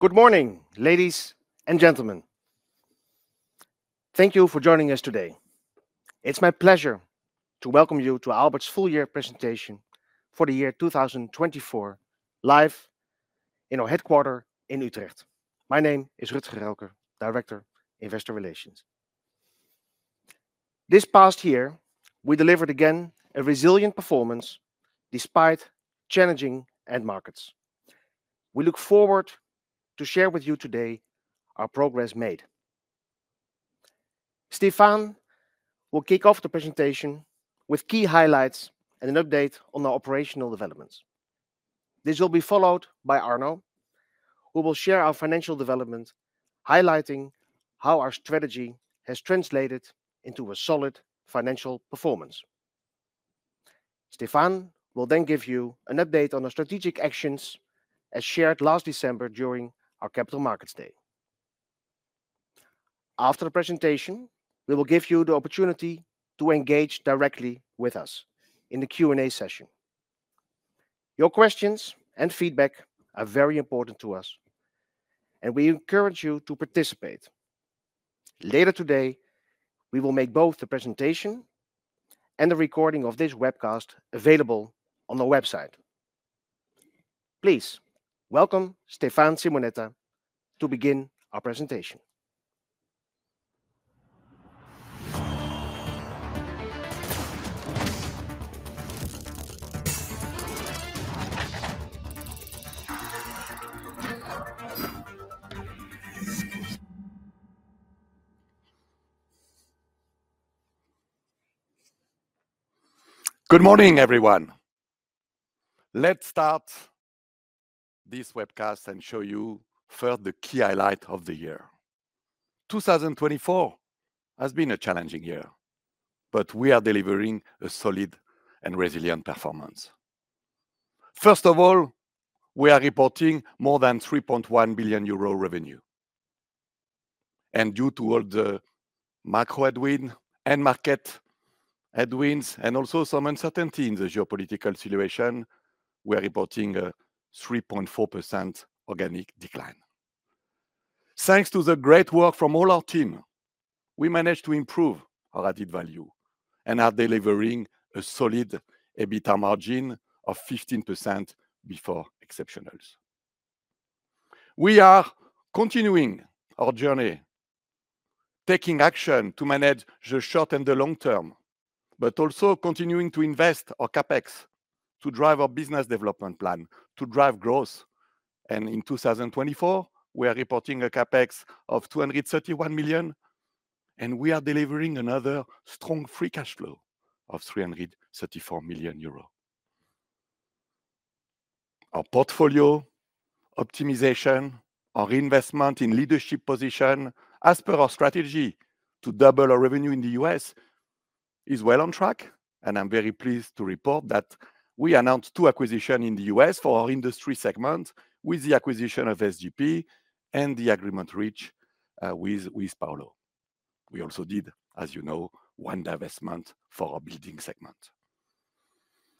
Good morning, ladies and gentlemen. Thank you for joining us today. It's my pleasure to welcome you to Aalberts' full-year presentation for the year 2024, live in our headquarters in Utrecht. My name is Rutger Relker, Director of Investor Relations. This past year, we delivered again a resilient performance despite challenging end markets. We look forward to sharing with you today our progress made. Stéphane will kick off the presentation with key highlights and an update on our operational developments. This will be followed by Arno, who will share our financial development, highlighting how our strategy has translated into a solid financial performance. Stéphane will then give you an update on our strategic actions as shared last December during our Capital Markets Day. After the presentation, we will give you the opportunity to engage directly with us in the Q&A session. Your questions and feedback are very important to us, and we encourage you to participate. Later today, we will make both the presentation and the recording of this webcast available on our website. Please welcome Stéphane Simonetta to begin our presentation. Good morning, everyone. Let's start this webcast and show you first the key highlight of the year. 2024 has been a challenging year, but we are delivering a solid and resilient performance. First of all, we are reporting more than 3.1 billion euro revenue. And due to all the macro headwinds and market headwinds, and also some uncertainty in the geopolitical situation, we are reporting a 3.4% organic decline. Thanks to the great work from all our team, we managed to improve our added value and are delivering a solid EBITDA margin of 15% before exceptionals. We are continuing our journey, taking action to manage the short and the long term, but also continuing to invest our CapEx to drive our business development plan, to drive growth. And in 2024, we are reporting a CapEx of 231 million, and we are delivering another strong free cash flow of 334 million euro. Our portfolio optimization, our reinvestment in leadership positions, as per our strategy to double our revenue in the U.S., is well on track. I'm very pleased to report that we announced two acquisitions in the U.S. for our industry segment, with the acquisition of SDP and the agreement reached with Paulo. We also did, as you know, one divestment for our building segment.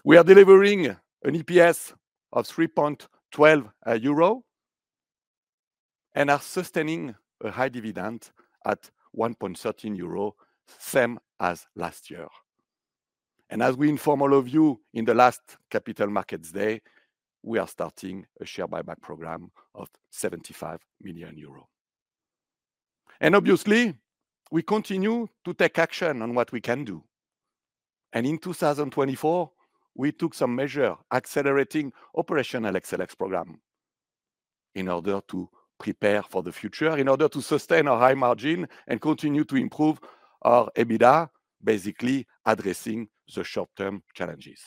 We are delivering an EPS of 3.12 euro and are sustaining a high dividend at 1.13 euro, same as last year. As we inform all of you in the last Capital Markets Day, we are starting a share buyback program of 75 million euros. Obviously, we continue to take action on what we can do. In 2024, we took some measures, accelerating the operational excellence program in order to prepare for the future, in order to sustain our high margin and continue to improve our EBITDA, basically addressing the short-term challenges.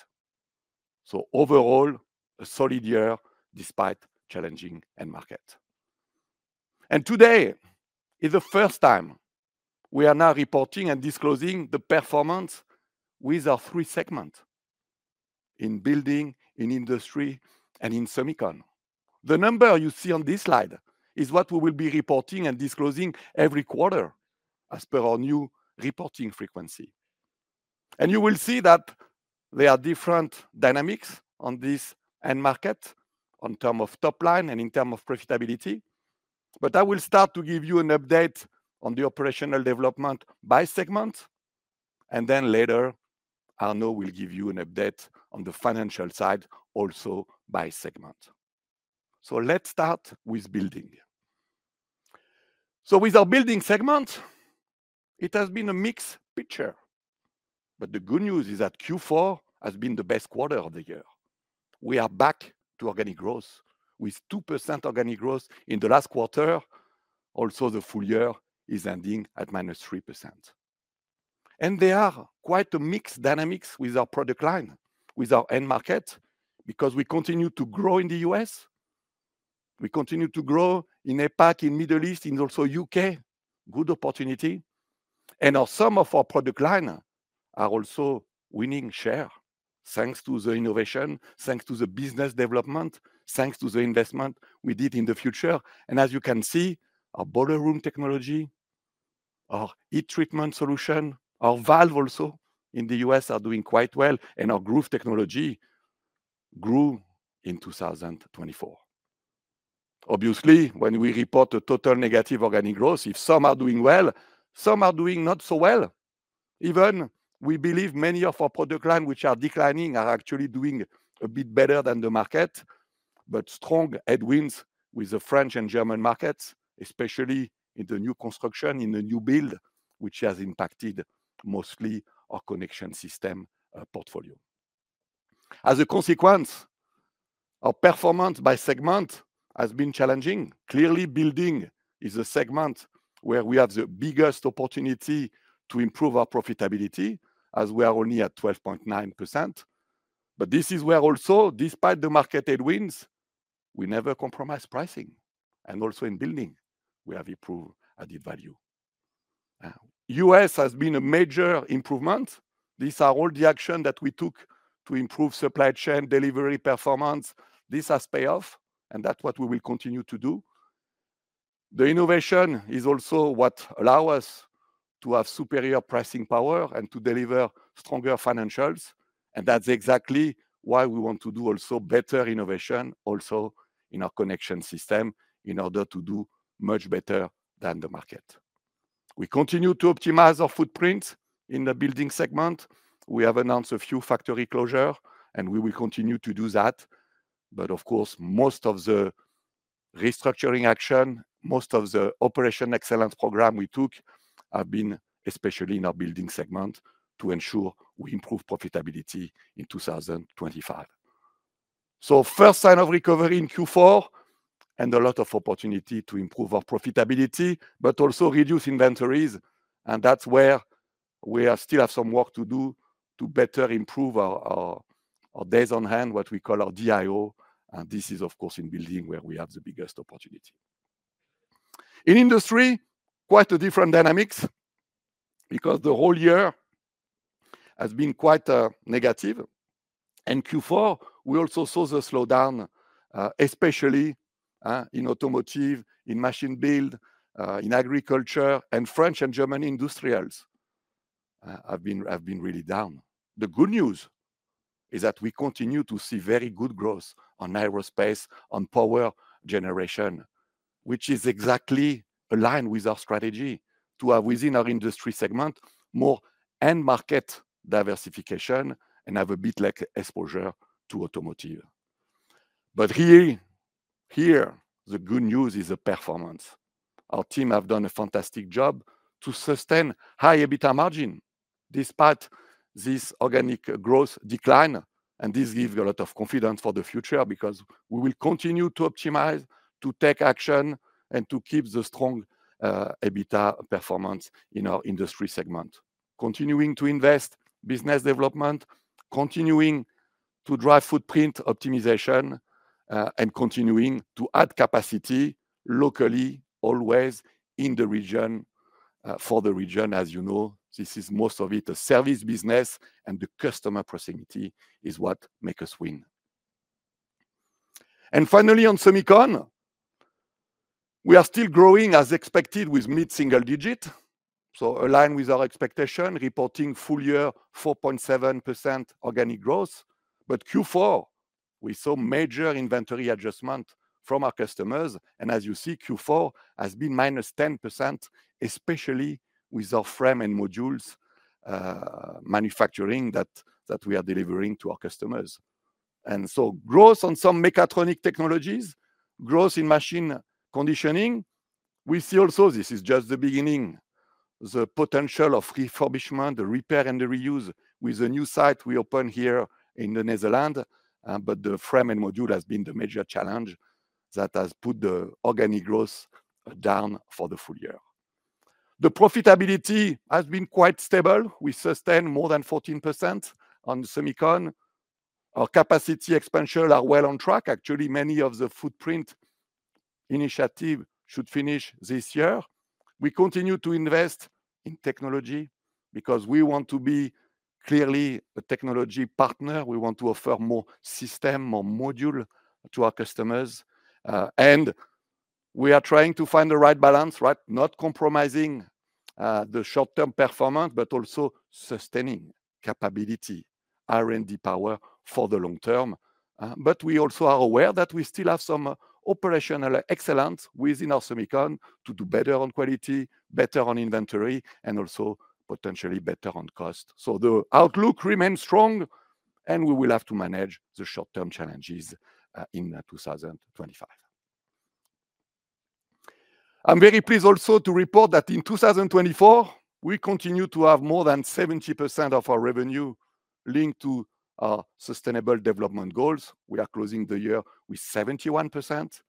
Overall, a solid year despite challenging end markets. Today is the first time we are now reporting and disclosing the performance with our three segments: in building, in industry, and in semiconductors. The number you see on this slide is what we will be reporting and disclosing every quarter, as per our new reporting frequency. You will see that there are different dynamics on this end market, in terms of top line and in terms of profitability. I will start to give you an update on the operational development by segment, and then later, Arno will give you an update on the financial side, also by segment. Let's start with building. With our building segment, it has been a mixed picture. The good news is that Q4 has been the best quarter of the year. We are back to organic growth, with 2% organic growth in the last quarter. Also, the full year is ending at -3%. There are quite mixed dynamics with our product line, with our end market, because we continue to grow in the U.S. We continue to grow in APAC, in the Middle East, and also the U.K. Good opportunity. Some of our product lines are also winning shares, thanks to the innovation, thanks to the business development, thanks to the investment we did in the future. As you can see, our boiler room technology, our heat treatment solution, our valve also in the U.S. are doing quite well, and our groove technology grew in 2024. Obviously, when we report a total negative organic growth, if some are doing well, some are doing not so well. Even, we believe many of our product lines which are declining are actually doing a bit better than the market, but strong headwinds with the French and German markets, especially in the new construction, in the new build, which has impacted mostly our connection system portfolio. As a consequence, our performance by segment has been challenging. Clearly, building is a segment where we have the biggest opportunity to improve our profitability, as we are only at 12.9%, but this is where also, despite the market headwinds, we never compromise pricing, and also in building, we have improved added value. US has been a major improvement. These are all the actions that we took to improve supply chain delivery performance. This has paid off, and that's what we will continue to do. The innovation is also what allows us to have superior pricing power and to deliver stronger financials. And that's exactly why we want to do also better innovation, also in our connection system, in order to do much better than the market. We continue to optimize our footprint in the building segment. We have announced a few factory closures, and we will continue to do that. But of course, most of the restructuring action, most of the operational excellence program we took have been especially in our building segment to ensure we improve profitability in 2025. So first sign of recovery in Q4, and a lot of opportunity to improve our profitability, but also reduce inventories. And that's where we still have some work to do to better improve our days on hand, what we call our DIO. This is, of course, in building where we have the biggest opportunity. In industry, quite different dynamics, because the whole year has been quite negative. Q4, we also saw the slowdown, especially in automotive, in machine building, in agriculture, and French and German industries have been really down. The good news is that we continue to see very good growth on aerospace, on power generation, which is exactly aligned with our strategy to have within our industry segment more end market diversification and have a bit less exposure to automotive. Here, the good news is the performance. Our team has done a fantastic job to sustain high EBITDA margin despite this organic growth decline. This gives a lot of confidence for the future, because we will continue to optimize, to take action, and to keep the strong EBITDA performance in our industry segment. Continuing to invest, business development, continuing to drive footprint optimization, and continuing to add capacity locally, always in the region, for the region. As you know, this is most of it a service business, and the customer proximity is what makes us win. And finally, on semiconductors, we are still growing as expected with mid-single digits, so aligned with our expectation, reporting full year 4.7% organic growth. But Q4, we saw major inventory adjustments from our customers. And as you see, Q4 has been -10%, especially with our frame and modules manufacturing that we are delivering to our customers. And so growth on some mechatronic technologies, growth in machine conditioning. We see also, this is just the beginning, the potential of refurbishment, the repair, and the reuse with a new site we opened here in the Netherlands. But the frame and module has been the major challenge that has put the organic growth down for the full year. The profitability has been quite stable. We sustained more than 14% on semiconductors. Our capacity expansions are well on track. Actually, many of the footprint initiatives should finish this year. We continue to invest in technology because we want to be clearly a technology partner. We want to offer more systems, more modules to our customers. And we are trying to find the right balance, right? Not compromising the short-term performance, but also sustaining capability, R&D power for the long term. But we also are aware that we still have some operational excellence within our semiconductors to do better on quality, better on inventory, and also potentially better on cost. So the outlook remains strong, and we will have to manage the short-term challenges in 2025. I'm very pleased also to report that in 2024, we continue to have more than 70% of our revenue linked to our Sustainable Development Goals. We are closing the year with 71%.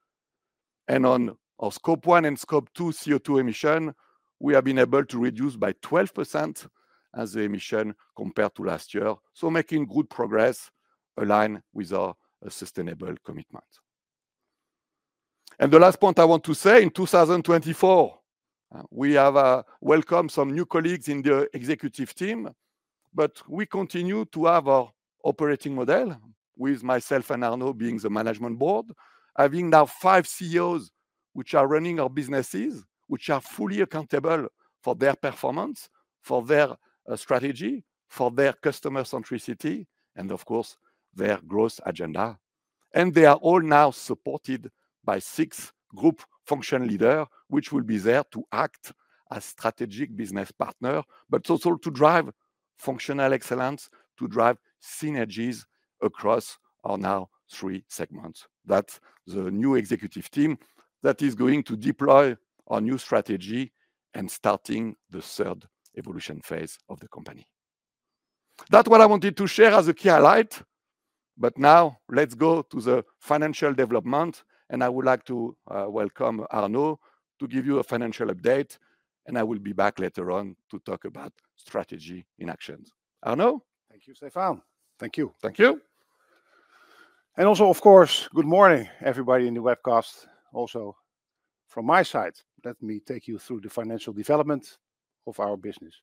And on our Scope 1 and Scope 2 CO2 emissions, we have been able to reduce by 12% as the emissions compared to last year, so making good progress aligned with our sustainable commitments, and the last point I want to say, in 2024, we have welcomed some new colleagues in the executive team, but we continue to have our operating model with myself and Arno being the management board, having now five CEOs which are running our businesses, which are fully accountable for their performance, for their strategy, for their customer centricity, and of course, their growth agenda. And they are all now supported by six group function leaders, which will be there to act as strategic business partners, but also to drive functional excellence, to drive synergies across our now three segments. That's the new executive team that is going to deploy our new strategy and starting the third evolution phase of the company. That's what I wanted to share as a key highlight. But now let's go to the financial development, and I would like to welcome Arno to give you a financial update, and I will be back later on to talk about strategy in action. Arno? Thank you, Stéphane. Thank you. Thank you. And also, of course, good morning, everybody in the webcast. Also, from my side, let me take you through the financial development of our business.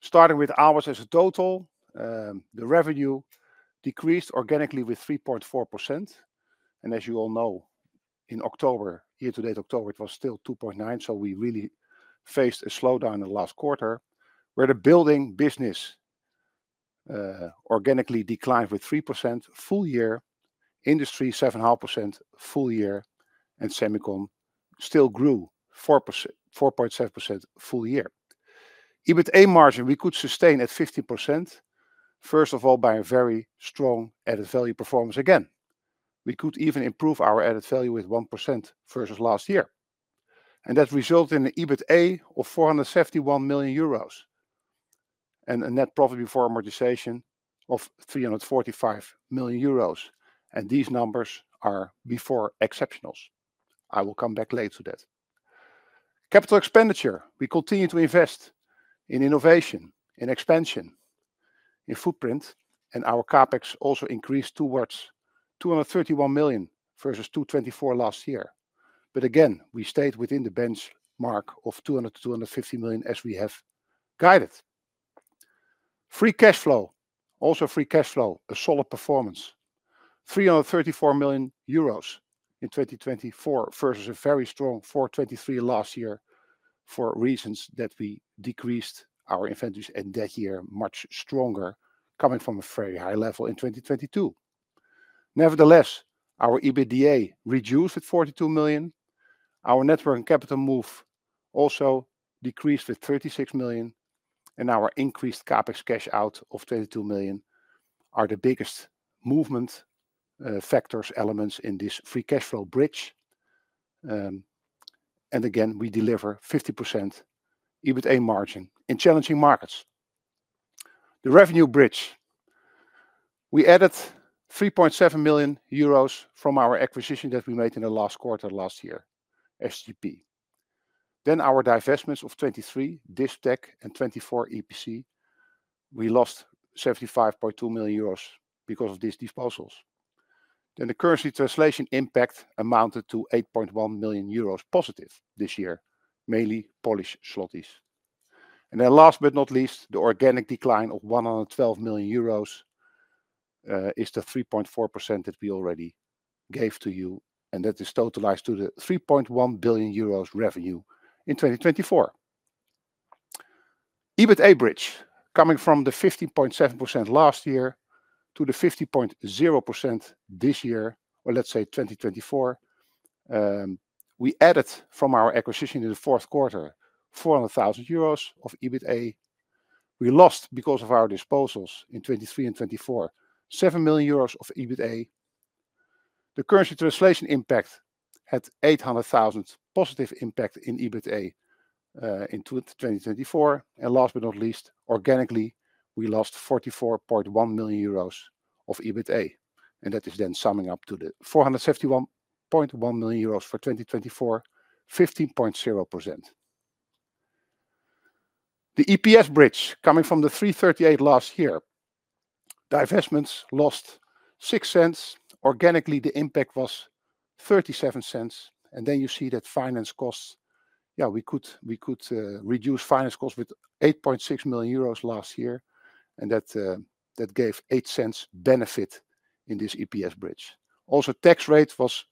Starting with H1 as a total, the revenue decreased organically with 3.4%. As you all know, in October year-to-date, it was still 2.9%, so we really faced a slowdown in the last quarter, where the building business organically declined with 3% full year, industry 7.5% full year, and semiconductors still grew 4.7% full year. EBITDA margin we could sustain at 15%, first of all, by a very strong added value performance again. We could even improve our added value with 1% versus last year. And that resulted in an EBITDA of 471 million euros and a net profit before amortization of 345 million euros. And these numbers are before exceptionals. I will come back later to that. Capital expenditure, we continue to invest in innovation, in expansion, in footprint, and our CapEx also increased towards 231 million versus 224 million last year. But again, we stayed within the benchmark of 200 million-250 million as we have guided. Free cash flow, also free cash flow, a solid performance, 334 million euros in 2024 versus a very strong 423 million last year for reasons that we decreased our inventories in that year much stronger, coming from a very high level in 2022. Nevertheless, our EBITDA reduced with 42 million. Our net working capital also decreased with 36 million. Our increased CapEx cash out of 22 million are the biggest movement factors elements in this free cash flow bridge. We again deliver 50% EBITDA margin in challenging markets. The revenue bridge, we added 3.7 million euros from our acquisition that we made in the last quarter last year, SDP. Our divestments of 23, Disptek and 24 EPC, we lost 75.2 million euros because of these disposals. The currency translation impact amounted to 8.1 million euros positive this year, mainly Polish zlotys. And then last but not least, the organic decline of 112 million euros is the 3.4% that we already gave to you, and that is totalized to the 3.1 billion euros revenue in 2024. EBITDA bridge, coming from the 15.7% last year to the 15.0% this year, or let's say 2024, we added from our acquisition in the fourth quarter 400,000 euros of EBITDA. We lost because of our disposals in 2023 and 2024, 7 million euros of EBITDA. The currency translation impact had 800,000 positive impact in EBITDA in 2024. And last but not least, organically, we lost 44.1 million euros of EBITDA. And that is then summing up to the 471.1 million euros for 2024, 15.0%. The EPS bridge, coming from the 3.38 last year, divestments lost 0.06. Organically, the impact was 0.37. Then you see that finance costs, yeah, we could reduce finance costs with 8.6 million euros last year. And that gave 0.08 benefit in this EPS bridge. Also, tax rate was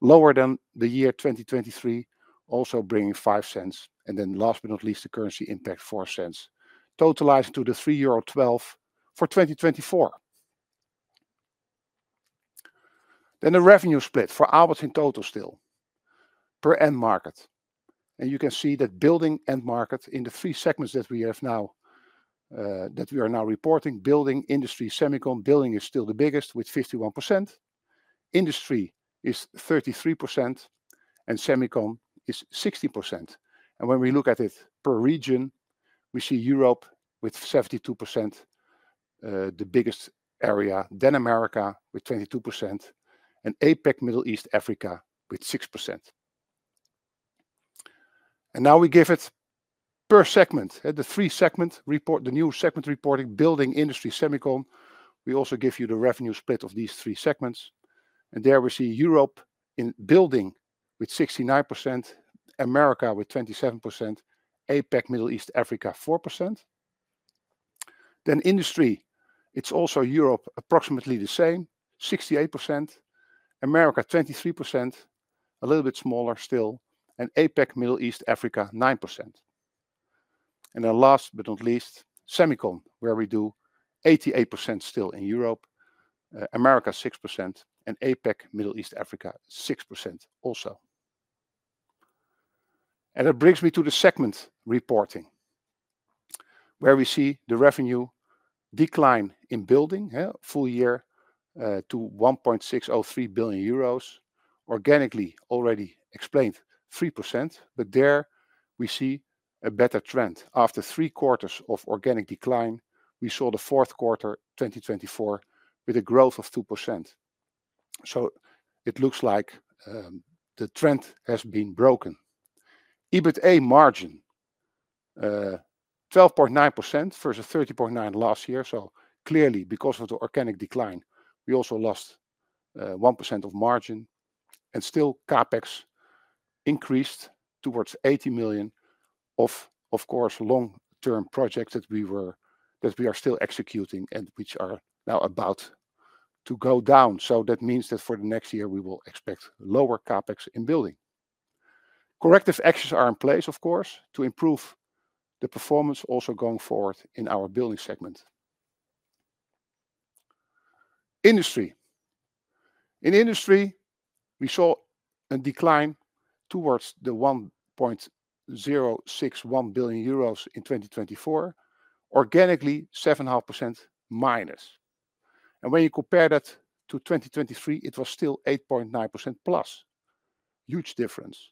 lower than the year 2023, also bringing 0.05. And then last but not least, the currency impact 0.04, totalized to the 3.12 euro for 2024. Then the revenue split for Alberts in total still per end market. And you can see that building end market in the three segments that we have now, that we are now reporting, building, industry, semiconductor, building is still the biggest with 51%. Industry is 33% and semiconductor is 60%. And when we look at it per region, we see Europe with 72%, the biggest area, then America with 22%, and APAC Middle East Africa with 6%. And now we give it per segment, the three segment report, the new segment reporting, building, industry, semiconductor. We also give you the revenue split of these three segments. And there we see Europe in building with 69%, America with 27%, APAC Middle East Africa 4%. Then industry, it's also Europe, approximately the same, 68%, America 23%, a little bit smaller still, and APAC Middle East Africa 9%. And then last but not least, semiconductor, where we do 88% still in Europe, America 6%, and APAC Middle East Africa 6% also. And that brings me to the segment reporting, where we see the revenue decline in building full year to 1.603 billion euros, organically already explained 3%, but there we see a better trend. After three quarters of organic decline, we saw the fourth quarter 2024 with a growth of 2%. So it looks like the trend has been broken. EBITDA margin, 12.9% versus 30.9% last year. So clearly, because of the organic decline, we also lost 1% of margin. And still, CapEx increased towards 80 million of course, long-term projects that we are still executing and which are now about to go down. So that means that for the next year, we will expect lower CapEx in building. Corrective actions are in place, of course, to improve the performance also going forward in our building segment. Industry. In industry, we saw a decline towards the 1.061 billion euros in 2024, organically -7.5%. And when you compare that to 2023, it was still +8.9%, huge difference.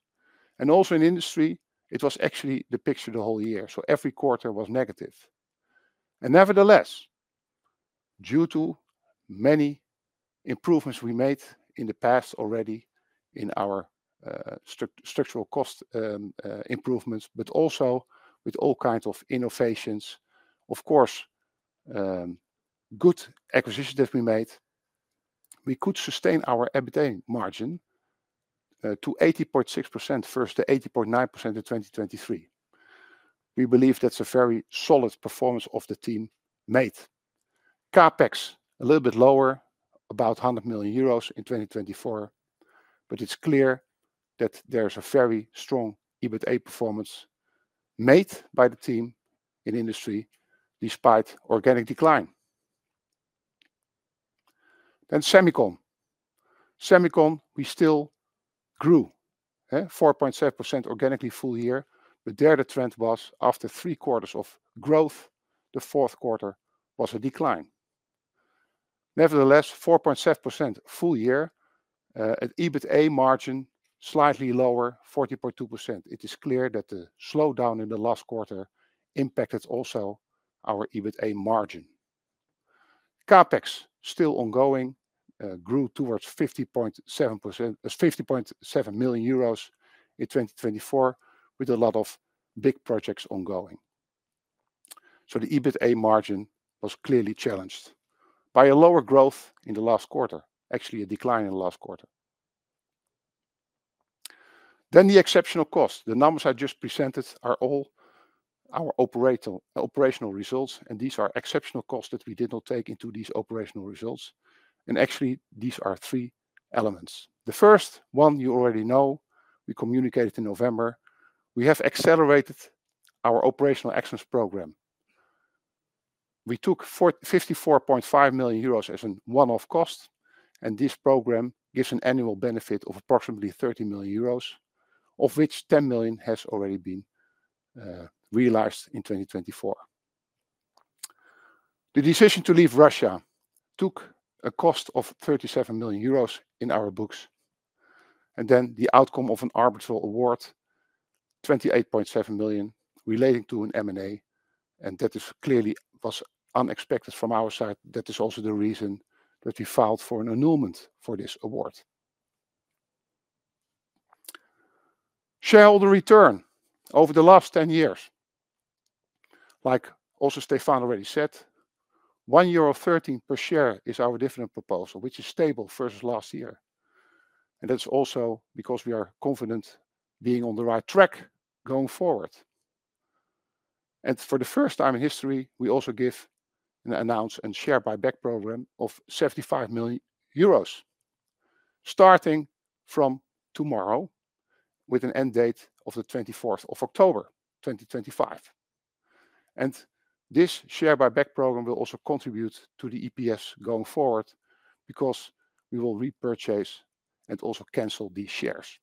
And also in industry, it was actually the picture the whole year. So every quarter was negative. Nevertheless, due to many improvements we made in the past already in our structural cost improvements, but also with all kinds of innovations, of course, good acquisitions that we made, we could sustain our EBITDA margin to 80.6% versus the 80.9% in 2023. We believe that's a very solid performance of the team made. CapEx, a little bit lower, about 100 million euros in 2024, but it's clear that there's a very strong EBITDA performance made by the team in industry despite organic decline. Then semiconductor., we still grew, 4.7% organically full year. But there the trend was after three quarters of growth, the fourth quarter was a decline. Nevertheless, 4.7% full year, an EBITDA margin slightly lower, 40.2%. It is clear that the slowdown in the last quarter impacted also our EBITDA margin. CapEx, still ongoing, grew towards 50.7 million euros in 2024 with a lot of big projects ongoing. So the EBITDA margin was clearly challenged by a lower growth in the last quarter, actually a decline in the last quarter. Then the exceptional costs. The numbers I just presented are all our operational results, and these are exceptional costs that we did not take into these operational results. And actually, these are three elements. The first one you already know, we communicated in November, we have accelerated our operational excellence program. We took 54.5 million euros as a one-off cost, and this program gives an annual benefit of approximately 30 million euros, of which 10 million has already been realized in 2024. The decision to leave Russia took a cost of 37 million euros in our books. Then the outcome of an arbitral award, 28.7 million relating to an M&A, and that clearly was unexpected from our side. That is also the reason that we filed for an annulment for this award. Shareholder return over the last 10 years. Like also Stéphane already said, 1.13 euro per share is our dividend proposal, which is stable versus last year. And that's also because we are confident being on the right track going forward. And for the first time in history, we also give an announced share buyback program of 75 million euros, starting from tomorrow with an end date of the 24th of October, 2025. And this share buyback program will also contribute to the EPS going forward because we will repurchase and also cancel these shares.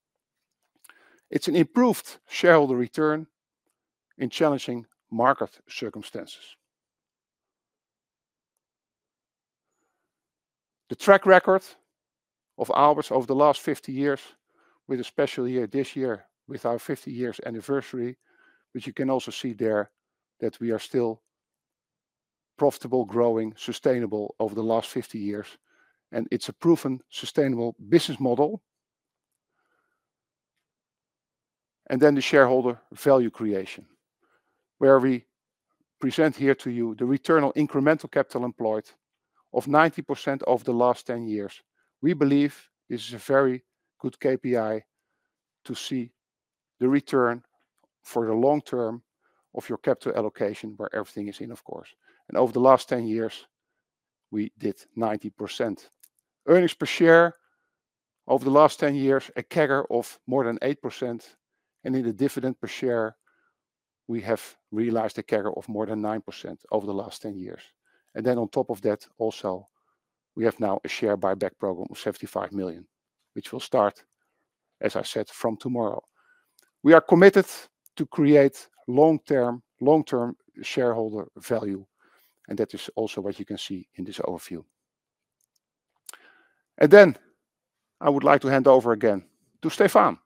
It's an improved shareholder return in challenging market circumstances. The track record of Aalberts over the last 50 years with a special year this year with our 50 years anniversary, which you can also see there, that we are still profitable, growing, sustainable over the last 50 years. And it's a proven sustainable business model. And then the shareholder value creation, where we present here to you the Return on Incremental Capital Employed of 90% over the last 10 years. We believe this is a very good KPI to see the return for the long term of your capital allocation where everything is in, of course. And over the last 10 years, we did 90% earnings per share over the last 10 years, a CAGR of more than 8%. And in the dividend per share, we have realized a CAGR of more than 9% over the last 10 years. Then on top of that, also we have now a share buyback program of 75 million, which will start, as I said, from tomorrow. We are committed to create long-term shareholder value, and that is also what you can see in this overview. Then I would like to hand over again to Stéphane.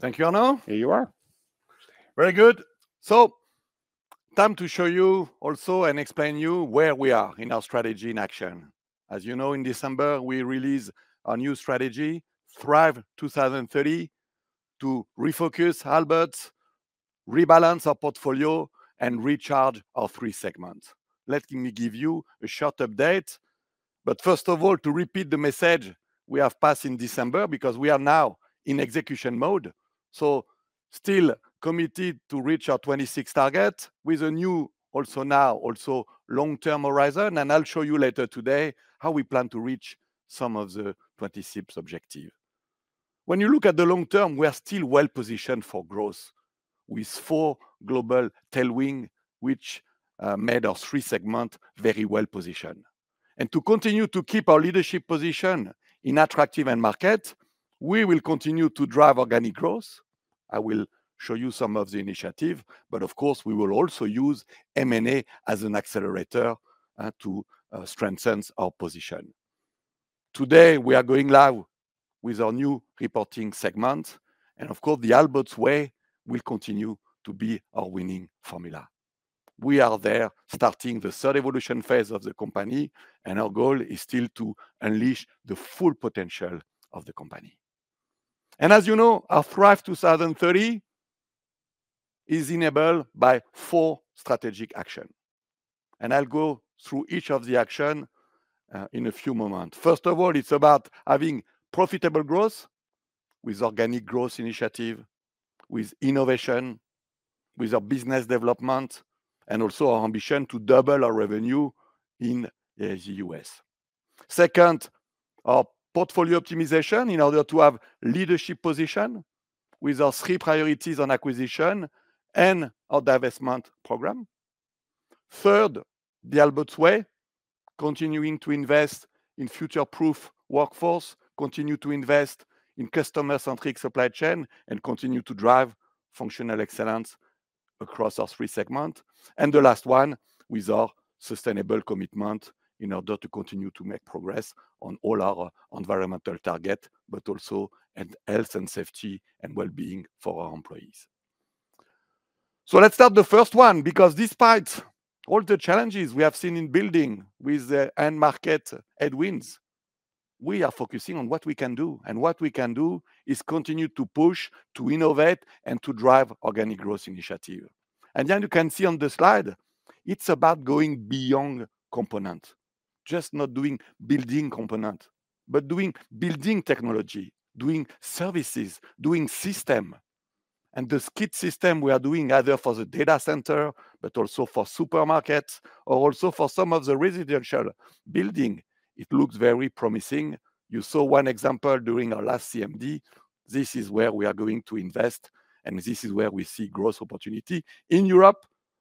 Thank you, Arno. Here you are. Very good. Time to show you also and explain to you where we are in our strategy in action. As you know, in December, we released our new strategy, Thrive 2030, to refocus Aalberts, rebalance our portfolio, and recharge our three segments. Let me give you a short update. First of all, to repeat the message we have passed in December because we are now in execution mode. Still committed to reach our 26 target with a new also now also long-term horizon. I'll show you later today how we plan to reach some of the 26 objectives. When you look at the long term, we are still well positioned for growth with four global tailwinds, which made our three segments very well positioned. To continue to keep our leadership position in attractive end markets, we will continue to drive organic growth. I will show you some of the initiatives, but of course, we will also use M&A as an accelerator to strengthen our position. Today, we are going live with our new reporting structure. Of course, the Aalberts way will continue to be our winning formula. We are now starting the third evolution phase of the company, and our goal is still to unleash the full potential of the company. As you know, our Thrive 2030 is enabled by four strategic actions. I'll go through each of the actions in a few moments. First of all, it's about having profitable growth with organic growth initiative, with innovation, with our business development, and also our ambition to double our revenue in the US. Second, our portfolio optimization in order to have leadership position with our three priorities on acquisition and our divestment program. Third, the Aalberts way, continuing to invest in future-proof workforce, continue to invest in customer-centric supply chain, and continue to drive functional excellence across our three segments. And the last one with our sustainable commitment in order to continue to make progress on all our environmental targets, but also health and safety and well-being for our employees. Let's start the first one because despite all the challenges we have seen in building with the end market headwinds, we are focusing on what we can do. What we can do is continue to push, to innovate, and to drive organic growth initiatives. Then you can see on the slide, it's about going beyond components, just not doing building components, but doing building technology, doing services, doing systems. The skid system we are doing either for the data center, but also for supermarkets, or also for some of the residential building. It looks very promising. You saw one example during our last CMD. This is where we are going to invest, and this is where we see growth opportunity in Europe,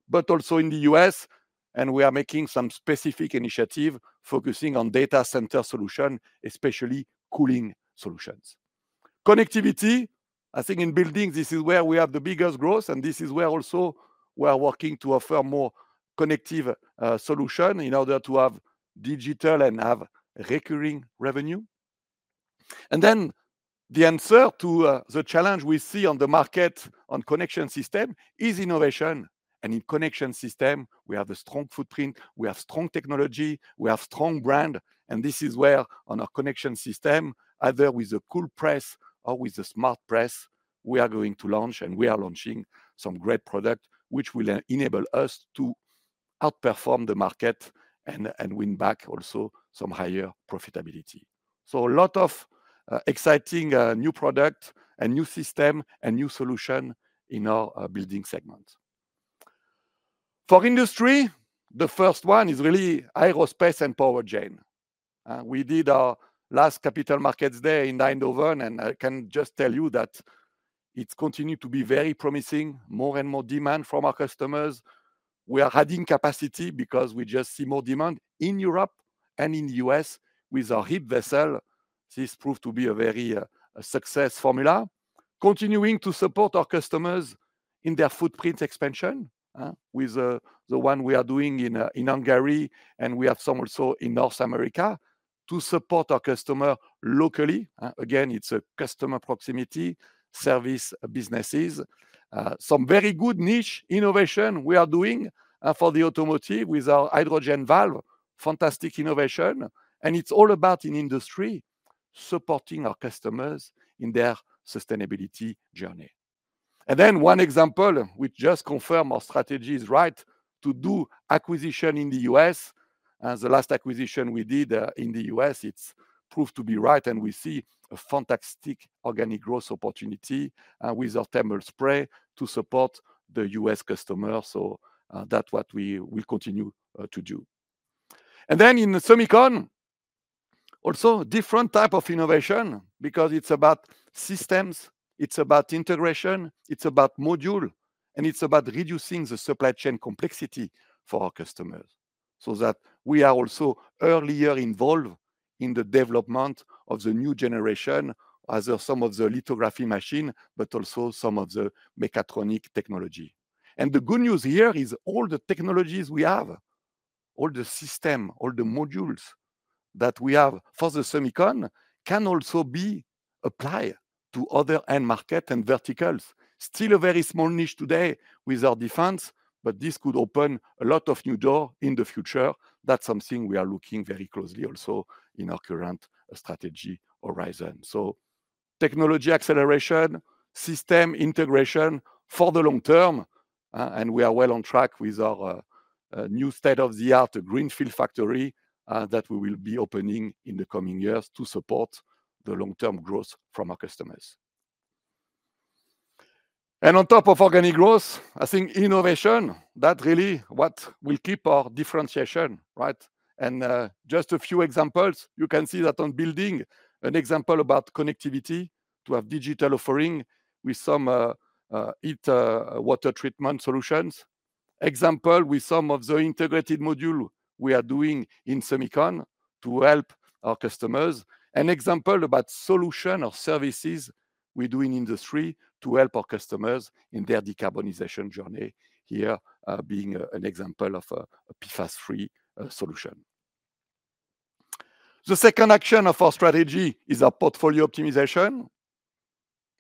but also in the U.S. We are making some specific initiatives focusing on data center solutions, especially cooling solutions. Connectivity, I think, in buildings this is where we have the biggest growth, and this is where also we are working to offer more connective solutions in order to have digital and have recurring revenue. The answer to the challenge we see on the market on connection system is innovation. In connection system, we have a strong footprint, we have strong technology, we have strong brand. This is where on our connection system, either with the CoolPress or with the SmartPress, we are going to launch, and we are launching some great products which will enable us to outperform the market and win back also some higher profitability. A lot of exciting new products and new systems and new solutions in our building segments. For industry, the first one is really aerospace and power generation. We did our last capital markets day in Eindhoven, and I can just tell you that it's continued to be very promising, more and more demand from our customers. We are adding capacity because we just see more demand in Europe and in the US with our HIP vessel. This proved to be a very successful formula, continuing to support our customers in their footprint expansion with the one we are doing in Hungary, and we have some also in North America to support our customers locally. Again, it's a customer proximity service businesses. Some very good niche innovation we are doing for the automotive with our hydrogen valve, fantastic innovation. And then one example which just confirmed our strategy is right to do acquisition in the US. The last acquisition we did in the U.S., it proved to be right, and we see a fantastic organic growth opportunity with our thermal spray to support the U.S. customers. So that's what we will continue to do. And then in the semiconductor, also different type of innovation because it's about systems, it's about integration, it's about module, and it's about reducing the supply chain complexity for our customers so that we are also earlier involved in the development of the new generation as some of the lithography machine, but also some of the mechatronic technology. And the good news here is all the technologies we have, all the systems, all the modules that we have for the semiconductor can also be applied to other end markets and verticals. Still a very small niche today with our defense, but this could open a lot of new doors in the future. That's something we are looking very closely also in our current strategy horizon. So technology acceleration, system integration for the long term, and we are well on track with our new state-of-the-art greenfield factory that we will be opening in the coming years to support the long-term growth from our customers. And on top of organic growth, I think innovation, that's really what will keep our differentiation, right? And just a few examples, you can see that on building, an example about connectivity to have digital offering with some heat water treatment solutions, example with some of the integrated modules we are doing in semiconductors to help our customers, and example about solutions or services we do in industry to help our customers in their decarbonization journey here, being an example of a PFAS-free solution. The second action of our strategy is our portfolio optimization.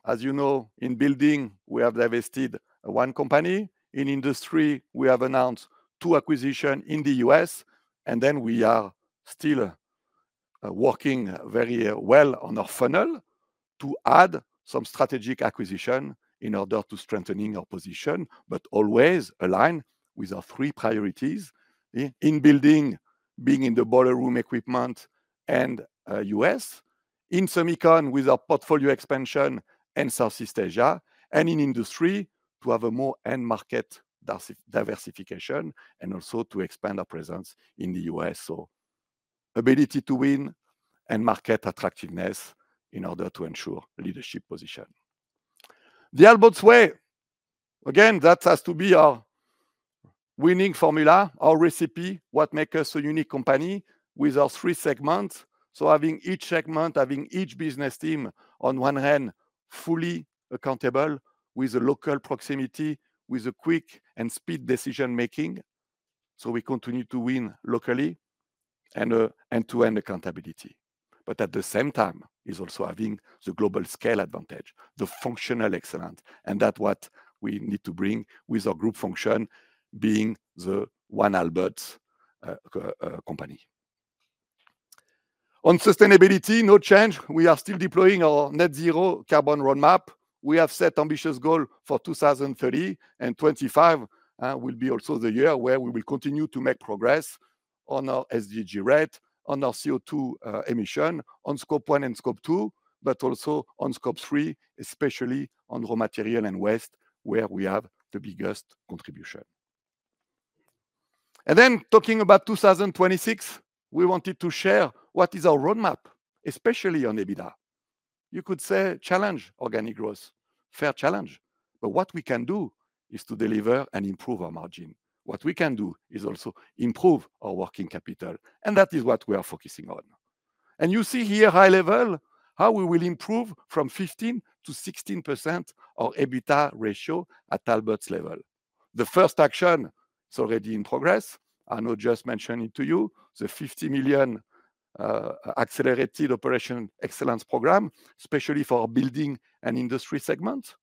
As you know, in building, we have divested one company. In industry, we have announced two acquisitions in the US, and then we are still working very well on our funnel to add some strategic acquisitions in order to strengthen our position, but always aligned with our three priorities in building, being in the boiler room equipment and US. In semiconductor, with our portfolio expansion and Southeast Asia, and in industry to have a more end market diversification and also to expand our presence in the US. So ability to win and market attractiveness in order to ensure leadership position. The Aalberts way, again, that has to be our winning formula, our recipe, what makes us a unique company with our three segments. So having each segment, having each business team on one hand, fully accountable with a local proximity, with a quick and speed decision-making. We continue to win locally and to ensure accountability. But at the same time, it's also having the global scale advantage, the functional excellence, and that's what we need to bring with our group function being the one Aalberts company. On sustainability, no change. We are still deploying our net zero carbon roadmap. We have set ambitious goals for 2030 and 2025. It will be also the year where we will continue to make progress on our ESG rating, on our CO2 emission, on Scope 1 and Scope 2, but also on scope 3, especially on raw material and waste, where we have the biggest contribution. Talking about 2026, we wanted to share what is our roadmap, especially on EBITDA. You could say challenge organic growth, fair challenge, but what we can do is to deliver and improve our margin. What we can do is also improve our working capital, and that is what we are focusing on, and you see here high level how we will improve from 15% to 16% our EBITDA ratio at Aalberts level. The first action is already in progress. Arno just mentioned it to you, the 50 million accelerated operational excellence program, especially for building and industry segments.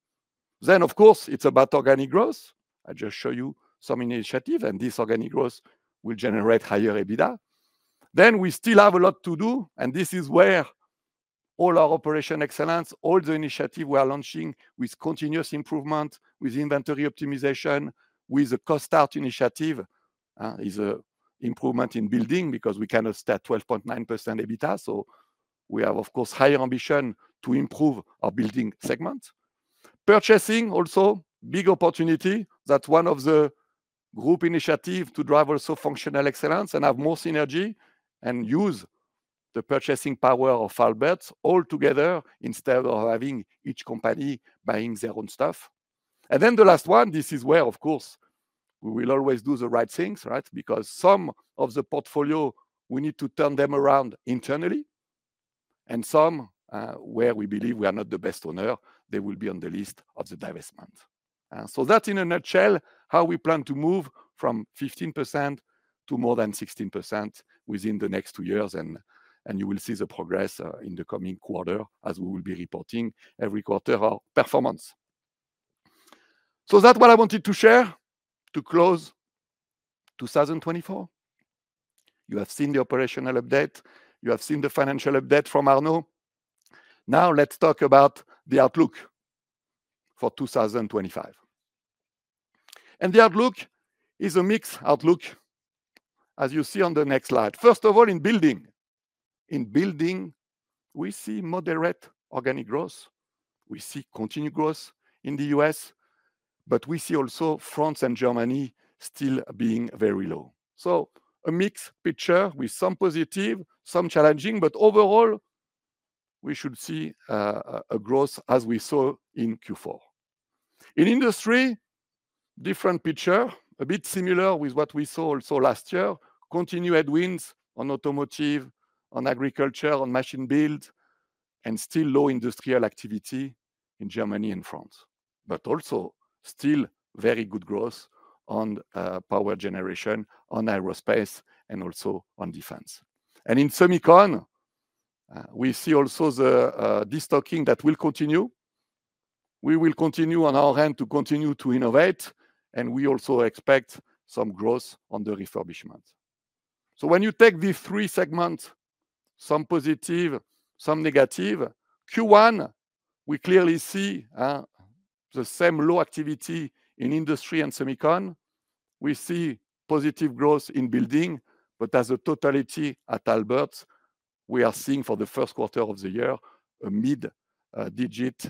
Of course, it's about organic growth. I just show you some initiatives, and this organic growth will generate higher EBITDA. We still have a lot to do, and this is where all our operational excellence, all the initiatives we are launching with continuous improvement, with inventory optimization, with a cost out initiative, is an improvement in building because we cannot start 12.9% EBITDA. So we have, of course, higher ambition to improve our building segments. Purchasing also big opportunity. That one of the group initiatives to drive also operational excellence and have more synergy and use the purchasing power of Aalberts all together instead of having each company buying their own stuff. And then the last one, this is where, of course, we will always do the right things, right? Because some of the portfolio, we need to turn them around internally, and some where we believe we are not the best owner, they will be on the list of the divestments. So that's in a nutshell how we plan to move from 15% to more than 16% within the next two years. And you will see the progress in the coming quarter as we will be reporting every quarter our performance. So that's what I wanted to share to close 2024. You have seen the operational update. You have seen the financial update from Arno. Now let's talk about the outlook for 2025. And the outlook is a mixed outlook, as you see on the next slide. First of all, in building, in building, we see moderate organic growth. We see continued growth in the US, but we see also France and Germany still being very low. So a mixed picture with some positive, some challenging, but overall, we should see a growth as we saw in Q4. In industry, different picture, a bit similar with what we saw also last year, continued headwinds on automotive, on agriculture, on machine building, and still low industrial activity in Germany and France, but also still very good growth on power generation, on aerospace, and also on defense. And in semiconductor, we see also the destocking that will continue. We will continue on our end to continue to innovate, and we also expect some growth on the refurbishment, so when you take these three segments, some positive, some negative, Q1 we clearly see the same low activity in industry and semiconductor. We see positive growth in building, but as a totality at Aalberts, we are seeing for the first quarter of the year, a mid-digit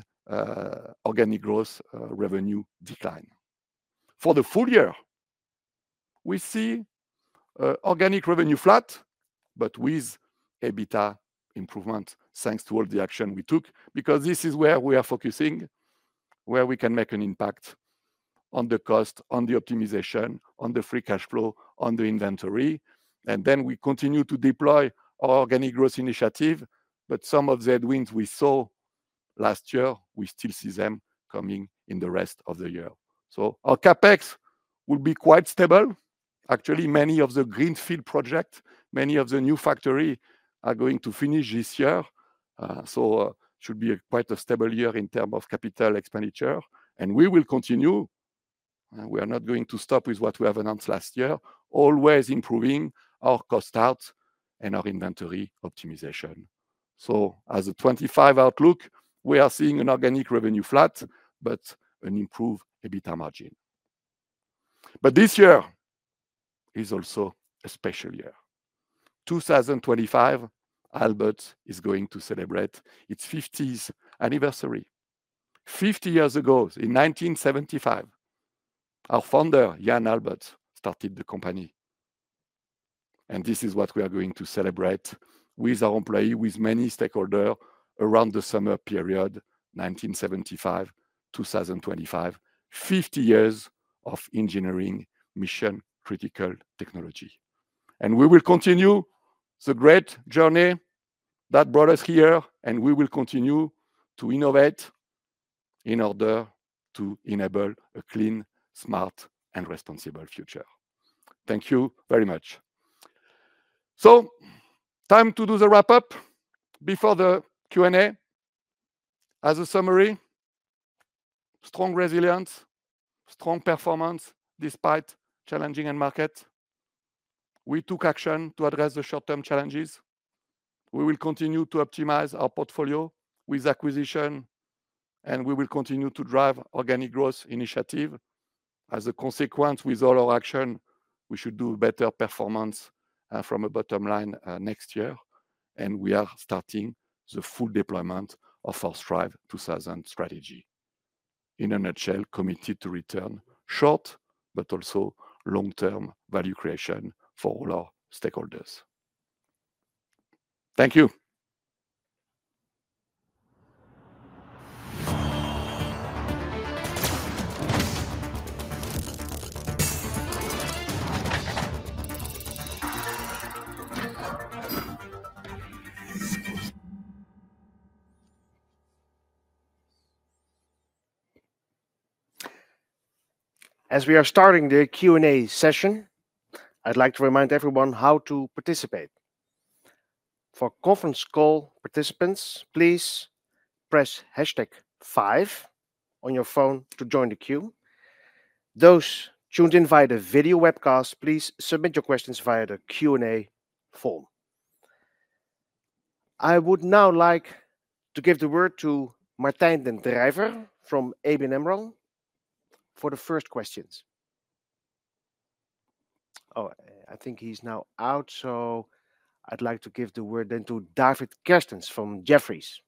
organic growth revenue decline. For the full year, we see organic revenue flat, but with EBITDA improvements thanks to all the action we took, because this is where we are focusing, where we can make an impact on the cost, on the optimization, on the free cash flow, on the inventory, and then we continue to deploy our organic growth initiative, but some of the headwinds we saw last year, we still see them coming in the rest of the year. Our CapEx will be quite stable. Actually, many of the greenfield projects, many of the new factories are going to finish this year. It should be quite a stable year in terms of capital expenditure. We will continue. We are not going to stop with what we have announced last year, always improving our cost structure and our inventory optimization. As a 2025 outlook, we are seeing organic revenue flat, but an improved EBITDA margin. This year is also a special year. In 2025, Aalberts is going to celebrate its 50th anniversary. 50 years ago, in 1975, our founder, Jan Aalberts, started the company. This is what we are going to celebrate with our employees, with many stakeholders around the summer period, 1975-2025, 50 years of engineering mission-critical technology. And we will continue the great journey that brought us here, and we will continue to innovate in order to enable a clean, smart, and responsible future. Thank you very much. So time to do the wrap-up before the Q&A. As a summary, strong resilience, strong performance despite challenging end markets. We took action to address the short-term challenges. We will continue to optimize our portfolio with acquisition, and we will continue to drive organic growth initiative. As a consequence, with all our action, we should do better performance from a bottom line next year. And we are starting the full deployment of our Thrive 2030 strategy. In a nutshell, committed to return short, but also long-term value creation for all our stakeholders. Thank you. As we are starting the Q&A session, I'd like to remind everyone how to participate. For conference call participants, please press hash tag five on your phone to join the queue. Those tuned in via the video webcast, please submit your questions via the Q&A form. I would now like to give the word to Martijn den Drijver from ABN AMRO for the first questions. Oh, I think he's now out, so I'd like to give the word then to David Kerstens from Jefferies.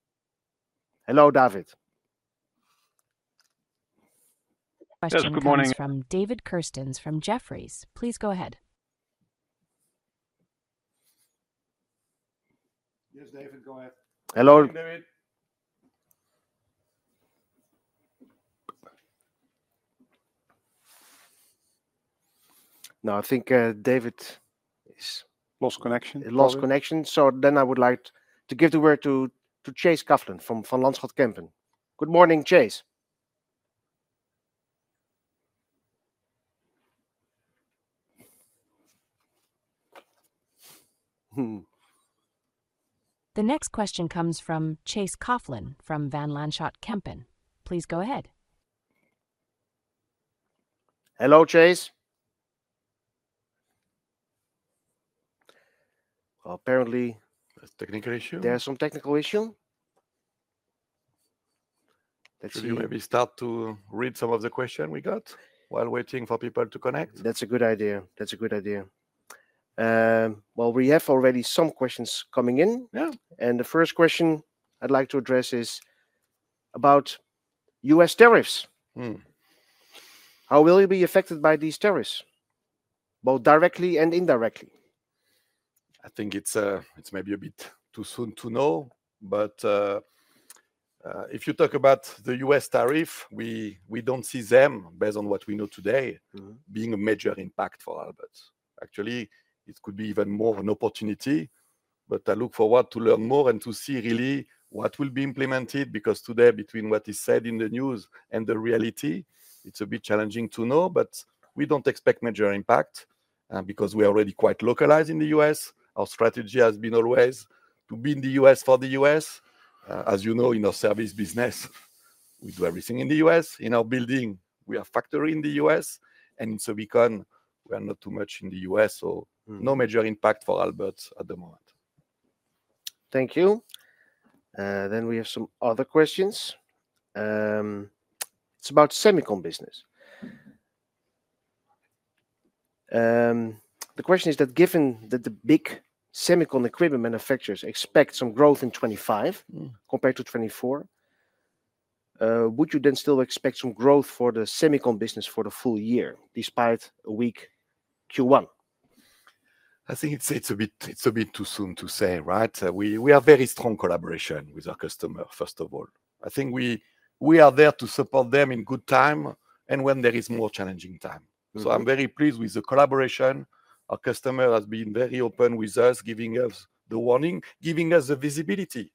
Hello, David. From David Kerstens from Jefferies. Please go ahead. Yes, David, go ahead. Hello. David. No, I think David is lost connection. Lost connection. So then I would like to give the word to Chase Coughlan from Van Lanschot Kempen. Good morning, Chase. The next question comes from Chase Coughlan from Van Lanschot Kempen. Please go ahead. Hello, Chase. Well, apparently. A technical issue. There's some technical issue. Let's see. Maybe start to read some of the questions we got while waiting for people to connect. That's a good idea. That's a good idea. Well, we have already some questions coming in. Yeah, and the first question I'd like to address is about U.S. tariffs. How will you be affected by these tariffs, both directly and indirectly? I think it's maybe a bit too soon to know, but if you talk about the U.S. tariff, we don't see them, based on what we know today, being a major impact for Aalberts. Actually, it could be even more an opportunity, but I look forward to learn more and to see really what will be implemented, because today, between what is said in the news and the reality, it's a bit challenging to know, but we don't expect major impact because we are already quite localized in the U.S. Our strategy has been always to be in the U.S. for the U.S. As you know, in our service business, we do everything in the US. In our building, we have a factory in the U.S., and in Silicon, we are not too much in the US, so no major impact for Aalberts at the moment. Thank you. Then we have some other questions. It's about semiconductor business. The question is that given that the big semiconductor equipment manufacturers expect some growth in 2025 compared to 2024, would you then still expect some growth for the semiconductor business for the full year despite a weak Q1? I think it's a bit too soon to say, right? We have very strong collaboration with our customers, first of all. I think we are there to support them in good time and when there is more challenging time. So I'm very pleased with the collaboration. Our customer has been very open with us, giving us the warning, giving us the visibility,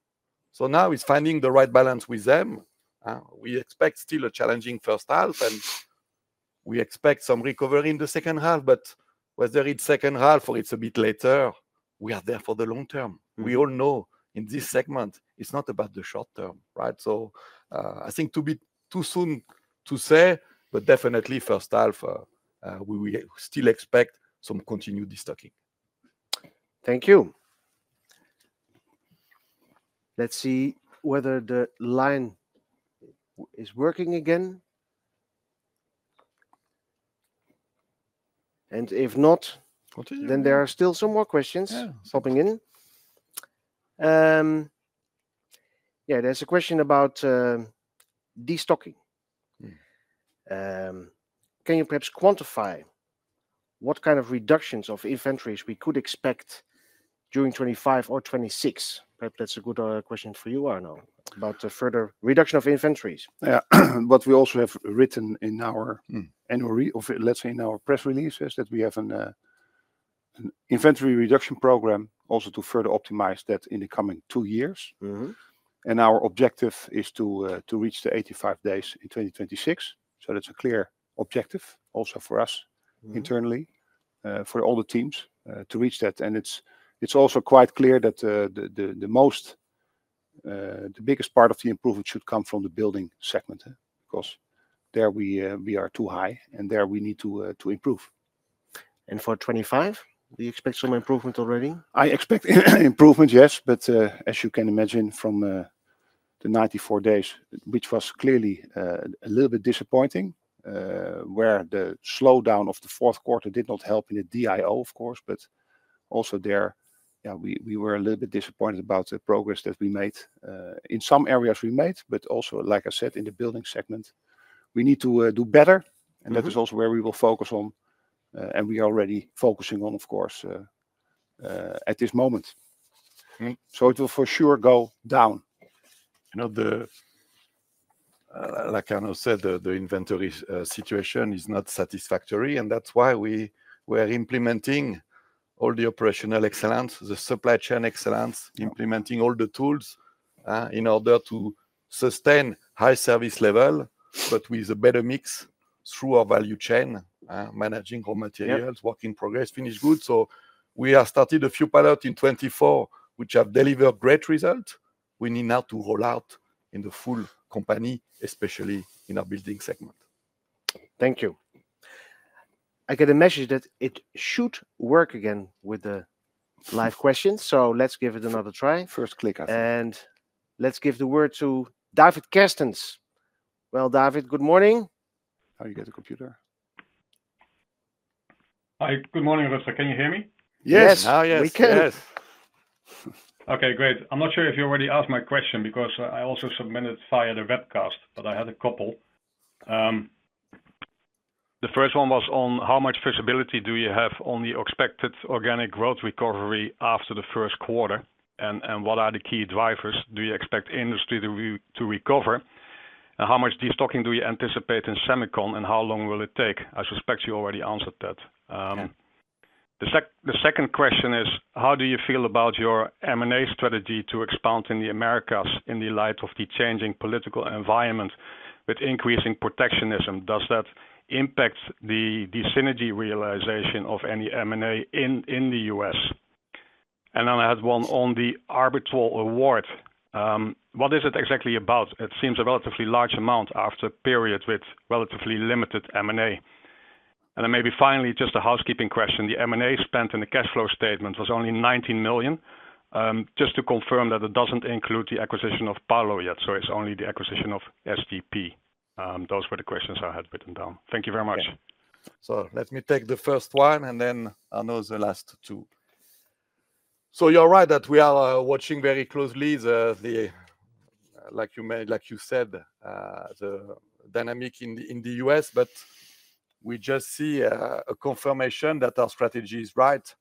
so now it's finding the right balance with them. We expect still a challenging first half, and we expect some recovery in the second half, but whether it's second half or it's a bit later, we are there for the long term. We all know in this segment, it's not about the short term, right, so I think it's a bit too soon to say, but definitely first half, we still expect some continued destocking. Thank you. Let's see whether the line is working again, and if not, then there are still some more questions popping in. Yeah, there's a question about destocking. Can you perhaps quantify what kind of reductions of inventories we could expect during 2025 or 2026? Perhaps that's a good question for you, Arno, about the further reduction of inventories. Yeah, what we also have written in our annual report, let's say in our press releases, is that we have an inventory reduction program also to further optimize that in the coming two years. And our objective is to reach the 85 days in 2026. So that's a clear objective also for us internally, for all the teams to reach that. And it's also quite clear that the biggest part of the improvement should come from the building segment, because there we are too high, and there we need to improve. And for 2025, do you expect some improvement already? I expect improvement, yes, but as you can imagine from the 94 days, which was clearly a little bit disappointing, where the slowdown of the fourth quarter did not help in the DIO, of course. But also there, yeah, we were a little bit disappointed about the progress that we made in some areas, but also, like I said, in the building segment, we need to do better, and that is also where we will focus on, and we are already focusing on, of course, at this moment. So it will for sure go down. Like Arno said, the inventory situation is not satisfactory, and that's why we are implementing all the operational excellence, the supply chain excellence, implementing all the tools in order to sustain high service level, but with a better mix through our value chain, managing raw materials, work in progress, finished goods. So we have started a few pilots in 2024, which have delivered great results. We need now to roll out in the full company, especially in our building segment. Thank you. I get a message that it should work again with the live questions, so let's give it another try. First clicker. And let's give the word to David Kerstens. Well, David, good morning. How are you getting the computer? Hi, good morning, Rutger. Can you hear me? Yes. Yes. Yes. Okay, great. I'm not sure if you already asked my question because I also submitted via the webcast, but I had a couple. The first one was on how much visibility do you have on the expected organic growth recovery after the first quarter, and what are the key drivers? Do you expect industry to recover? And how much destocking do you anticipate in semiconductors, and how long will it take? I suspect you already answered that. The second question is, how do you feel about your M&A strategy to expand in the Americas in the light of the changing political environment with increasing protectionism? Does that impact the synergy realization of any M&A in the U.S.? And then I had one on the Arbitral Award. What is it exactly about? It seems a relatively large amount after a period with relatively limited M&A. And then maybe finally, just a housekeeping question. The M&A spent in the cash flow statement was only 19 million. Just to confirm that it doesn't include the acquisition of Paulo yet, so it's only the acquisition of SDP. Those were the questions I had written down. Thank you very much. So let me take the first one, and then Arno's the last two. So you're right that we are watching very closely, like you said, the dynamic in the U.S., but we just see a confirmation that our strategy is right,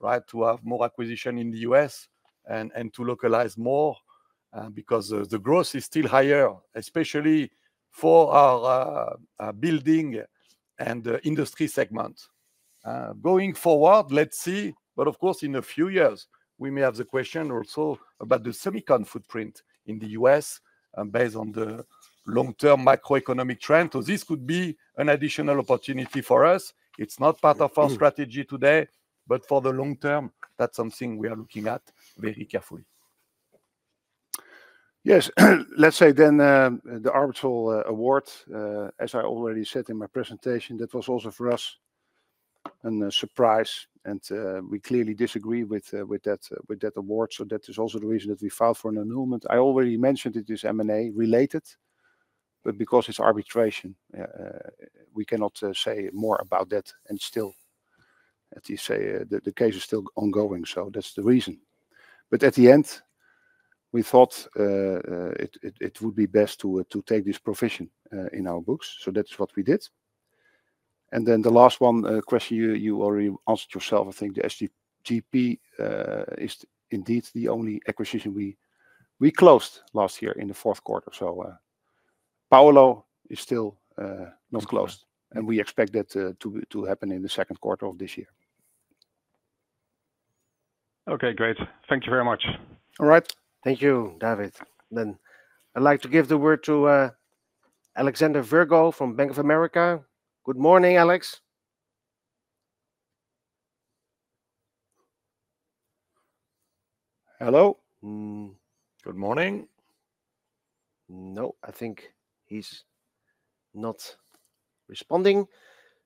right, to have more acquisition in the U.S. and to localize more because the growth is still higher, especially for our building and industry segment. Going forward, let's see, but of course, in a few years, we may have the question also about the semiconductor footprint in the U.S. based on the long-term macroeconomic trend. So this could be an additional opportunity for us. It's not part of our strategy today, but for the long term, that's something we are looking at very carefully. Yes, let's say then the arbitral award, as I already said in my presentation, that was also for us a surprise, and we clearly disagree with that award, so that is also the reason that we filed for an annulment. I already mentioned it is M&A related, but because it's arbitration, we cannot say more about that and still, at least say the case is still ongoing, so that's the reason. But at the end, we thought it would be best to take this provision in our books, so that's what we did. And then the last one question you already answered yourself, I think the SDP is indeed the only acquisition we closed last year in the fourth quarter, so Paulo is still not closed, and we expect that to happen in the second quarter of this year. Okay, great. Thank you very much. All right. Thank you, David. Then I'd like to give the word to Alexander Virgo from Bank of America. Good morning, Alex. Hello. Good morning. No, I think he's not responding.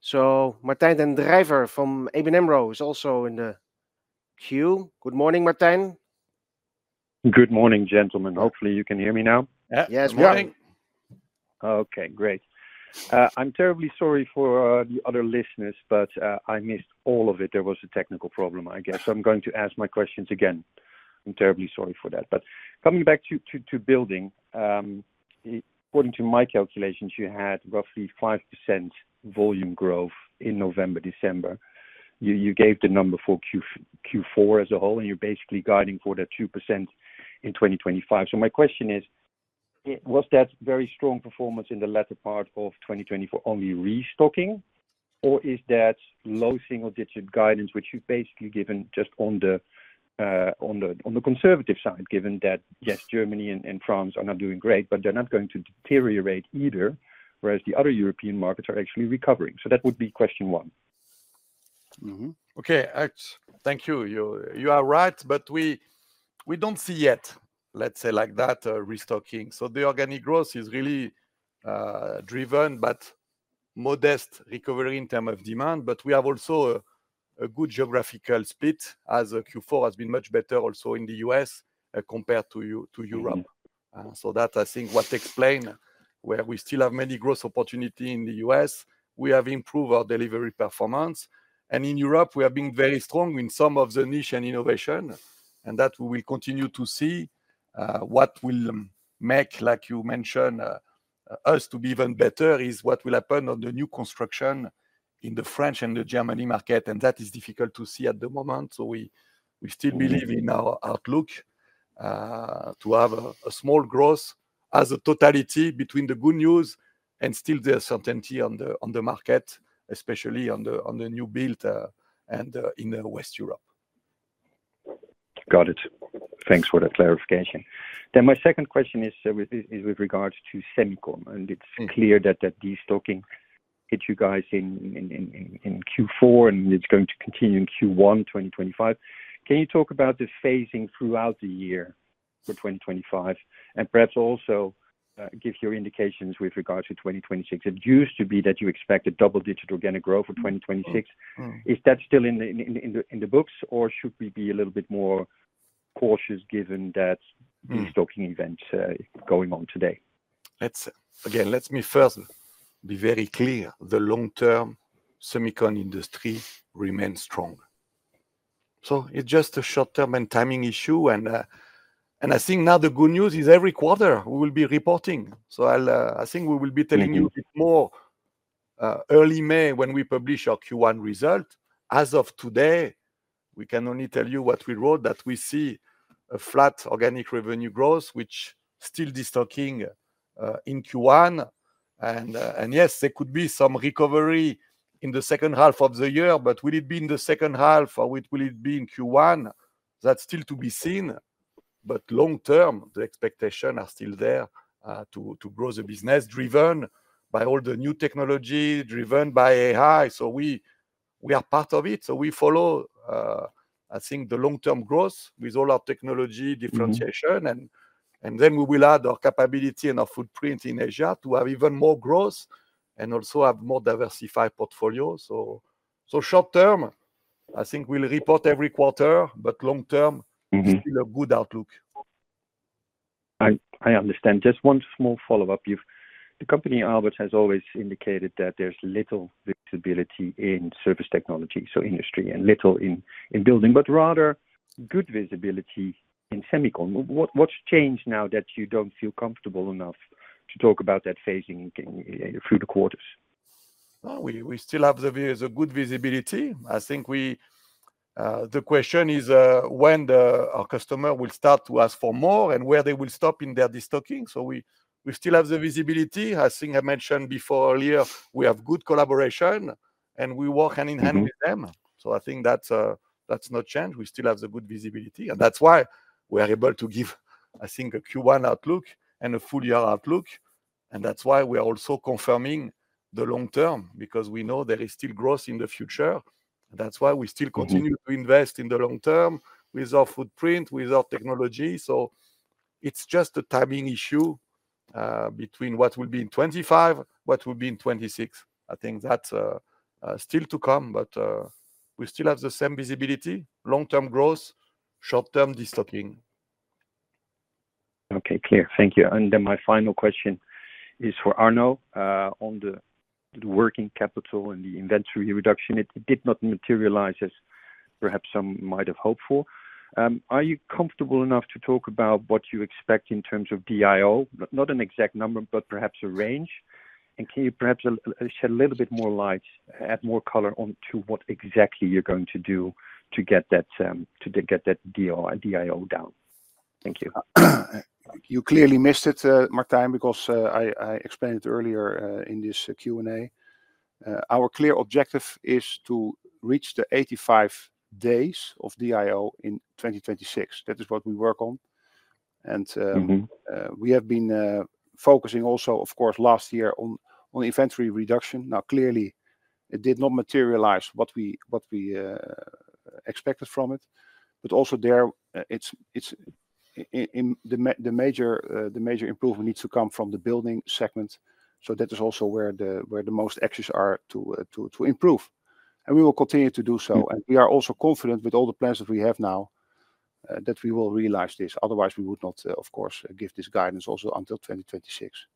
So Martijn den Drijver from ABN AMRO is also in the queue. Good morning, Martijn. Good morning, gentlemen. Hopefully, you can hear me now. Yes, morning. Okay, great. I'm terribly sorry for the other listeners, but I missed all of it. There was a technical problem, I guess. I'm going to ask my questions again. I'm terribly sorry for that. But coming back to building, according to my calculations, you had roughly 5% volume growth in November, December. You gave the number for Q4 as a whole, and you're basically guiding for that 2% in 2025. So my question is, was that very strong performance in the latter part of 2024 only restocking, or is that low single-digit guidance, which you've basically given just on the conservative side, given that, yes, Germany and France are not doing great, but they're not going to deteriorate either, whereas the other European markets are actually recovering? So that would be question one. Okay, thank you. You are right, but we don't see yet, let's say, like that restocking. So the organic growth is really driven, but modest recovery in terms of demand, but we have also a good geographical split as Q4 has been much better also in the US compared to Europe. So that, I think, what explains where we still have many growth opportunities in the US. We have improved our delivery performance, and in Europe, we have been very strong in some of the niche and innovation, and that we will continue to see. What will make, like you mentioned, us to be even better is what will happen on the new construction in the French and German market, and that is difficult to see at the moment. So we still believe in our outlook to have a small growth as a totality between the good news and still the uncertainty on the market, especially on the new build and in Western Europe. Got it. Thanks for the clarification. Then my second question is with regards to semiconductors, and it's clear that the destocking hit you guys in Q4, and it's going to continue in Q1 2025. Can you talk about the phasing throughout the year for 2025, and perhaps also give your indications with regard to 2026? It used to be that you expected double-digit organic growth for 2026. Is that still in the books, or should we be a little bit more cautious given that the destocking events going on today? Again, let me first be very clear. The long-term semiconductor industry remains strong. So it's just a short-term and timing issue, and I think now the good news is every quarter we will be reporting. So I think we will be telling you a bit more early May when we publish our Q1 result. As of today, we can only tell you what we wrote, that we see a flat organic revenue growth, with still destocking in Q1. And yes, there could be some recovery in the second half of the year, but will it be in the second half, or will it be in Q1? That's still to be seen, but long-term, the expectations are still there to grow the business driven by all the new technology, driven by AI. So we are part of it, so we follow, I think, the long-term growth with all our technology differentiation, and then we will add our capability and our footprint in Asia to have even more growth and also have more diversified portfolios. So short-term, I think we'll report every quarter, but long-term, still a good outlook. I understand. Just one small follow-up. The company, Aalberts, has always indicated that there's little visibility Surface Technologies, so industry, and little in building, but rather good visibility in semiconductors. What's changed now that you don't feel comfortable enough to talk about that phasing through the quarters? We still have the view it's a good visibility. I think the question is when our customer will start to ask for more and where they will stop in their destocking. So we still have the visibility. I think I mentioned before earlier, we have good collaboration, and we work hand in hand with them. So I think that's not changed. We still have the good visibility, and that's why we are able to give, I think, a Q1 outlook and a full year outlook. And that's why we are also confirming the long-term, because we know there is still growth in the future. That's why we still continue to invest in the long-term with our footprint, with our technology. So it's just a timing issue between what will be in 2025, what will be in 2026. I think that's still to come, but we still have the same visibility, long-term growth, short-term destocking. Okay, clear. Thank you. And then my final question is for Arno on the working capital and the inventory reduction. It did not materialize as perhaps some might have hoped for. Are you comfortable enough to talk about what you expect in terms of DIO? Not an exact number, but perhaps a range. And can you perhaps shed a little bit more light, add more color onto what exactly you're going to do to get that DIO down? Thank you. You clearly missed it, Martijn, because I explained it earlier in this Q&A. Our clear objective is to reach the 85 days of DIO in 2026. That is what we work on. We have been focusing also, of course, last year on inventory reduction. Now, clearly, it did not materialize what we expected from it. Also there, the major improvement needs to come from the building segment. That is also where the most excess are to improve. We will continue to do so. We are also confident with all the plans that we have now that we will realize this. Otherwise, we would not, of course, give this guidance also until 2026.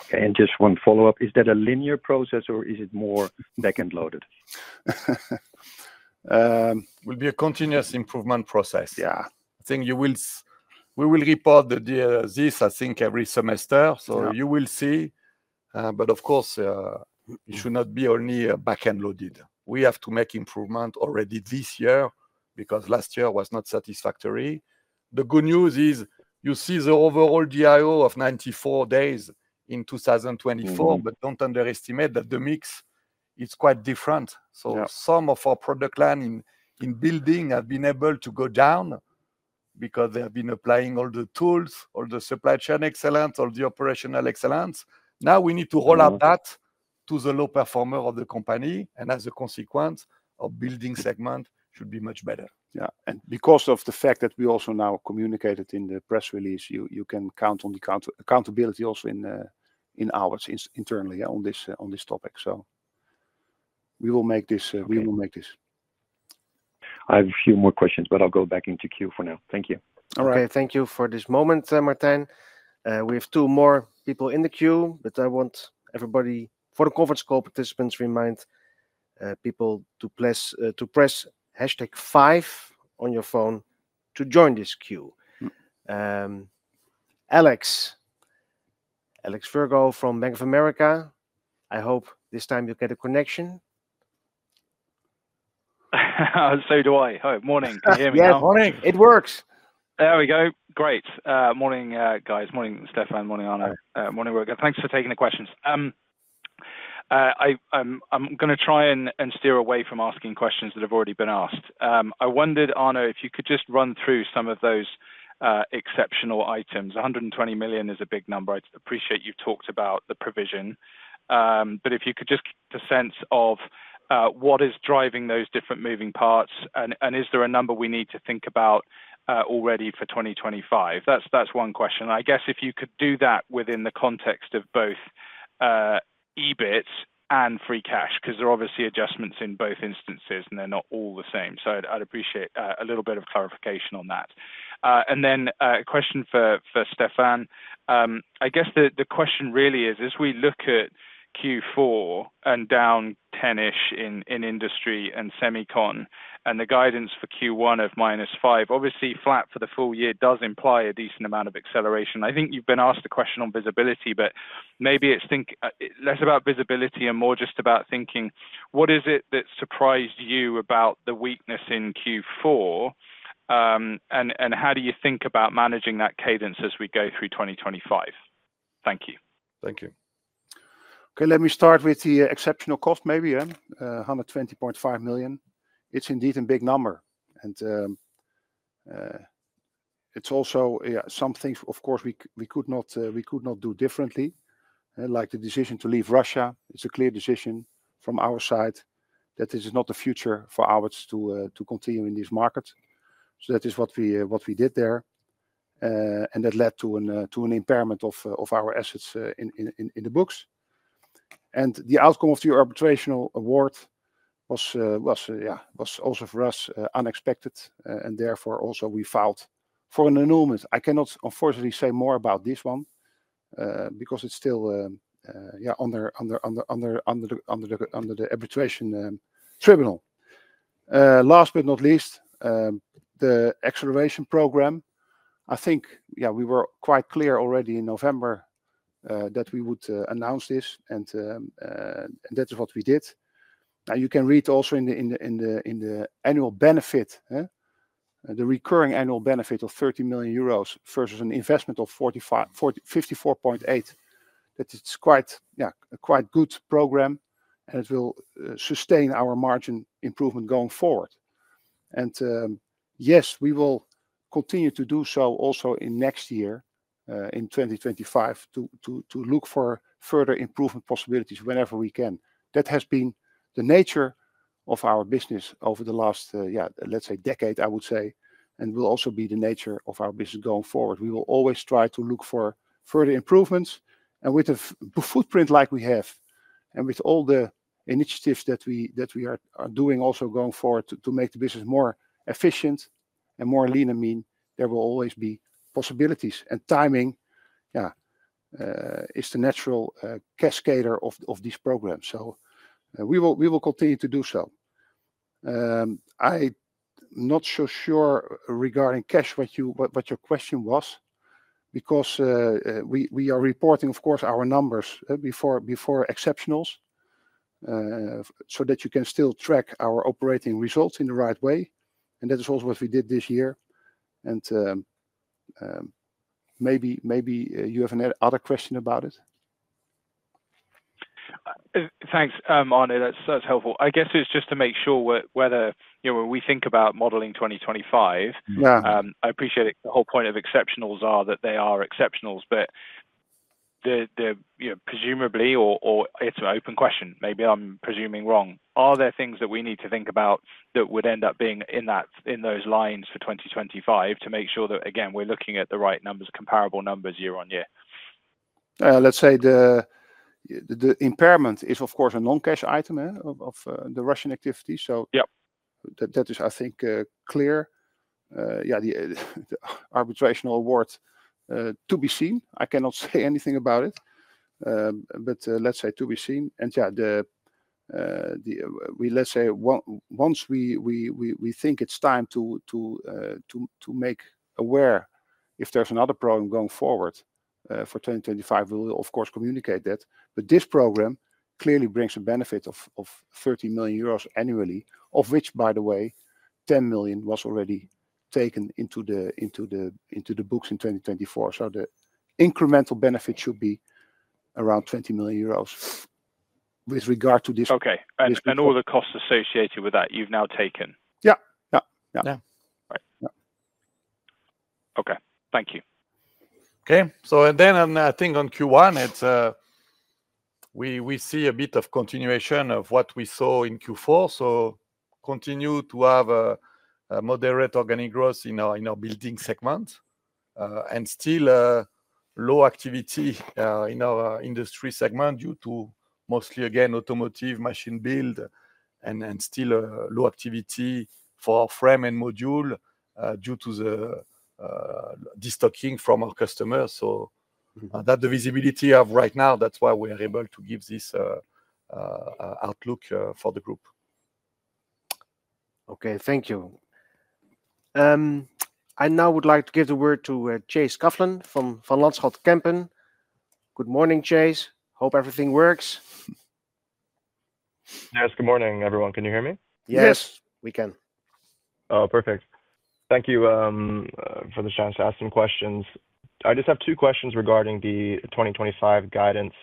Okay, and just one follow-up. Is that a linear process, or is it more back-end loaded? It will be a continuous improvement process. Yeah. I think we will report this, I think, every semester, so you will see. Of course, it should not be only back-end loaded. We have to make improvement already this year because last year was not satisfactory. The good news is you see the overall DIO of 94 days in 2024, but don't underestimate that the mix is quite different. So some of our product line in building have been able to go down because they have been applying all the tools, all the supply chain excellence, all the operational excellence. Now we need to roll up that to the low performer of the company, and as a consequence, our building segment should be much better. Yeah. And because of the fact that we also now communicated in the press release, you can count on the accountability also in ours internally on this topic. So we will make this. We will make this. I have a few more questions, but I'll go back into queue for now. Thank you. All right. Okay, thank you for this moment, Martijn. We have two more people in the queue, but I want everybody, for the conference call participants, remind people to press hashtag five on your phone to join this queue. Alexander Virgo from Bank of America. I hope this time you get a connection. So do I. Morning. Can you hear me now? Yes, morning. It works. There we go. Great. Morning, guys. Morning, Stéphane. Morning, Arno. Morning, Rutger. Thanks for taking the questions. I'm going to try and steer away from asking questions that have already been asked. I wondered, Arno, if you could just run through some of those exceptional items. 120 million is a big number. I appreciate you've talked about the provision. But if you could just get a sense of what is driving those different moving parts, and is there a number we need to think about already for 2025? That's one question. I guess if you could do that within the context of both EBIT and free cash, because there are obviously adjustments in both instances, and they're not all the same. So I'd appreciate a little bit of clarification on that. And then a question for Stéphane. I guess the question really is, as we look at Q4 and down 10-ish in industry and semiconductor, and the guidance for Q1 of minus five, obviously flat for the full year does imply a decent amount of acceleration. I think you've been asked a question on visibility, but maybe it's less about visibility and more just about thinking, what is it that surprised you about the weakness in Q4, and how do you think about managing that cadence as we go through 2025? Thank you. Thank you. Okay, let me start with the exceptional cost, maybe, 120.5 million. It's indeed a big number. It's also something, of course, we could not do differently. Like the decision to leave Russia, it's a clear decision from our side that this is not the future for Aalberts to continue in this market. So that is what we did there. And that led to an impairment of our assets in the books. And the outcome of the arbitration award was also for us unexpected, and therefore also we filed for an annulment. I cannot, unfortunately, say more about this one because it's still under the arbitration tribunal. Last but not least, the acceleration program, I think, yeah, we were quite clear already in November that we would announce this, and that is what we did. Now, you can read also in the annual report, the recurring annual benefit of 30 million euros versus an investment of 54.8 million. That is quite a good program, and it will sustain our margin improvement going forward. And yes, we will continue to do so also in next year, in 2025, to look for further improvement possibilities whenever we can. That has been the nature of our business over the last, yeah, let's say, decade, I would say, and will also be the nature of our business going forward. We will always try to look for further improvements. And with the footprint like we have, and with all the initiatives that we are doing also going forward to make the business more efficient and more lean, I mean, there will always be possibilities. And timing, yeah, is the natural cascade of these programs. So we will continue to do so. I'm not so sure regarding cash, what your question was, because we are reporting, of course, our numbers before exceptionals so that you can still track our operating results in the right way. And that is also what we did this year. And maybe you have another question about it. Thanks, Arno. That's helpful. I guess it's just to make sure whether we think about modeling 2025. I appreciate it. The whole point of exceptionals is that they are exceptionals, but presumably, or it's an open question, maybe I'm presuming wrong, are there things that we need to think about that would end up being in those lines for 2025 to make sure that, again, we're looking at the right numbers, comparable numbers year on year? Let's say the impairment is, of course, a non-cash item of the Russian activity. So that is, I think, clear. Yeah, the arbitration award to be seen. I cannot say anything about it, but let's say to be seen. And yeah, let's say once we think it's time to make aware if there's another program going forward for 2025, we will, of course, communicate that. But this program clearly brings a benefit of 30 million euros annually, of which, by the way, 10 million was already taken into the books in 2024. So the incremental benefit should be around 20 million euros with regard to this. Okay. And all the costs associated with that you've now taken? Yeah. Yeah. Yeah. Okay. Thank you. Okay. So then I think on Q1, we see a bit of continuation of what we saw in Q4. Continue to have moderate organic growth in our building segment and still low activity in our industry segment due to mostly, again, automotive, machine building, and still low activity for our frame and module due to the destocking from our customers. So that's the visibility of right now. That's why we are able to give this outlook for the group. Okay. Thank you. I now would like to give the word to Chase Coughlan from Van Lanschot Kempen. Good morning, Chase. Hope everything works. Yes. Good morning, everyone. Can you hear me? Yes. We can. Oh, perfect. Thank you for the chance to ask some questions. I just have two questions regarding the 2025 guidance.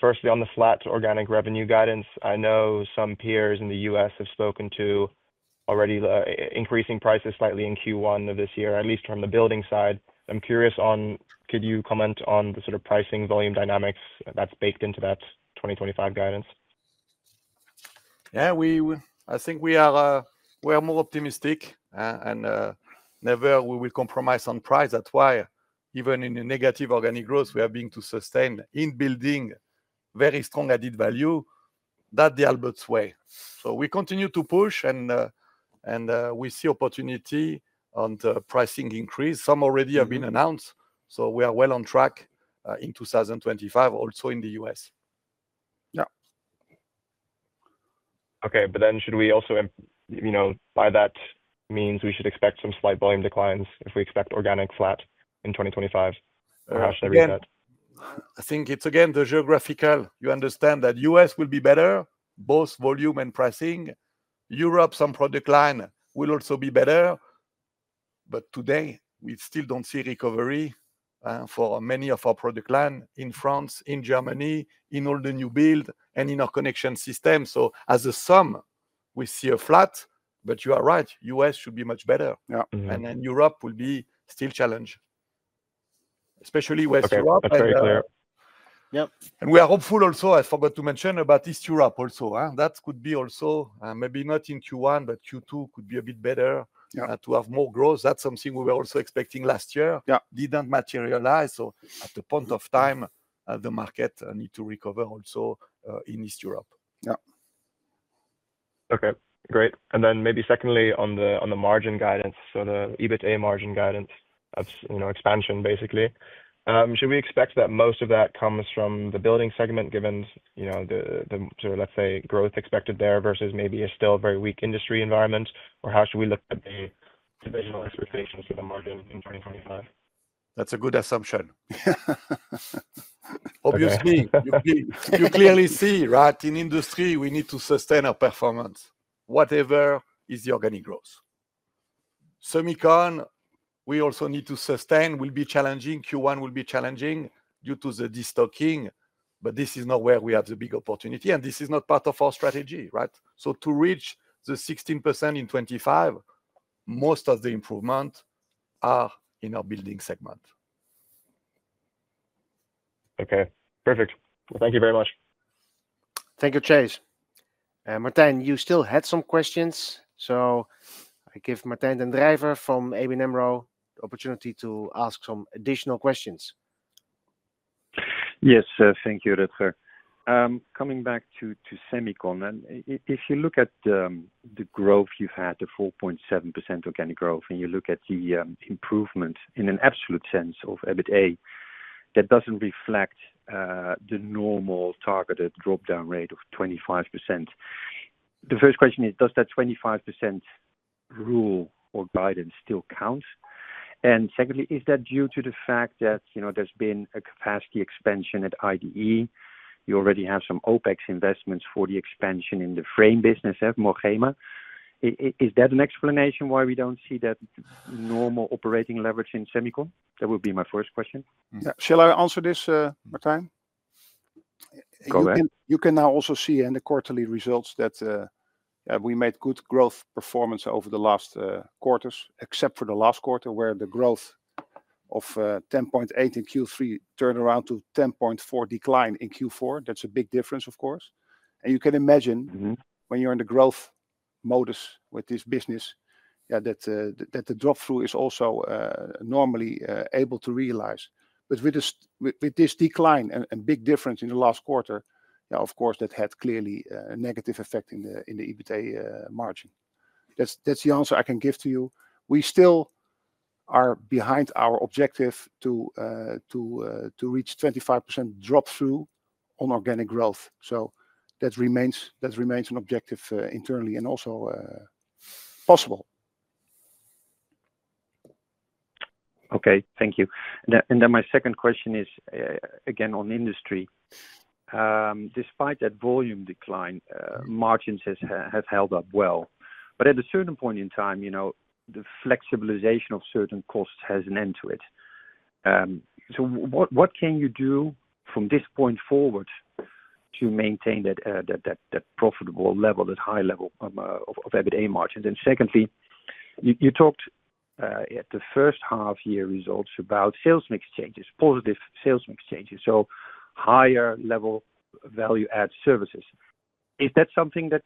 Firstly, on the flat organic revenue guidance, I know some peers in the U.S. have spoken to already increasing prices slightly in Q1 of this year, at least from the building side. I'm curious on, could you comment on the sort of pricing volume dynamics that's baked into that 2025 guidance? Yeah, I think we are more optimistic, and never we will compromise on price. That's why even in negative organic growth, we are being to sustain in building very strong added value that the Aalberts way. So we continue to push, and we see opportunity on the pricing increase. Some already have been announced, so we are well on track in 2025, also in the U.S. Yeah. Okay. But then should we also, by that means, we should expect some slight volume declines if we expect organic flat in 2025? How should I read that? I think it's, again, the geographical. You understand that U.S. will be better, both volume and pricing. Europe, some product line will also be better. But today, we still don't see recovery for many of our product line in France, in Germany, in all the new build, and in our connection system. So as a sum, we see a flat, but you are right, U.S. should be much better. And then Europe will be still challenged, especially Western Europe. That's very clear. Yeah. And we are hopeful also, I forgot to mention, about Eastern Europe also. That could be also, maybe not in Q1, but Q2 could be a bit better to have more growth. That's something we were also expecting last year. Didn't materialize. So at the point of time, the market needs to recover also in Eastern Europe. Yeah. Okay. Great. And then maybe secondly, on the margin guidance, so the EBITDA margin guidance expansion, basically, should we expect that most of that comes from the building segment, given the, let's say, growth expected there versus maybe a still very weak industry environment? Or how should we look at the divisional expectations for the margin in 2025? That's a good assumption. Obviously, you clearly see, right? In industry, we need to sustain our performance, whatever is the organic growth. Semiconductor, we also need to sustain. Will be challenging. Q1 will be challenging due to the destocking, but this is not where we have the big opportunity, and this is not part of our strategy, right? So to reach the 16% in 25, most of the improvement are in our building segment. Okay. Perfect. Well, thank you very much. Thank you, Chase. Martin, you still had some questions. So I give Martijn den Drijver from ABN AMRO the opportunity to ask some additional questions. Yes, thank you, Rutger. Coming back to semiconductor, if you look at the growth you've had, the 4.7% organic growth, and you look at the improvement in an absolute sense of EBITDA, that doesn't reflect the normal targeted drop-down rate of 25%. The first question is, does that 25% rule or guidance still count? And secondly, is that due to the fact that there's been a capacity expansion at IDE? You already have some OpEx investments for the expansion in the frame business at Mogema. Is that an explanation why we don't see that normal operating leverage in semiconductor? That would be my first question. Yeah. Shall I answer this, Martijn? Go ahead. You can now also see in the quarterly results that we made good growth performance over the last quarters, except for the last quarter where the growth of 10.8% in Q3 turned around to 10.4% decline in Q4. That's a big difference, of course. And you can imagine when you're in the growth modus with this business, yeah, that the drop-through is also normally able to realize. But with this decline and big difference in the last quarter, yeah, of course, that had clearly a negative effect in the EBITDA margin. That's the answer I can give to you. We still are behind our objective to reach 25% drop-through on organic growth. So that remains an objective internally and also possible. Okay. Thank you. And then my second question is, again, on industry. Despite that volume decline, margins have held up well. But at a certain point in time, the flexibilization of certain costs has an end to it. So what can you do from this point forward to maintain that profitable level, that high level of EBITDA margin? And secondly, you talked at the first half-year results about sales mix changes, positive sales mix changes, so higher level value-add services. Is that something that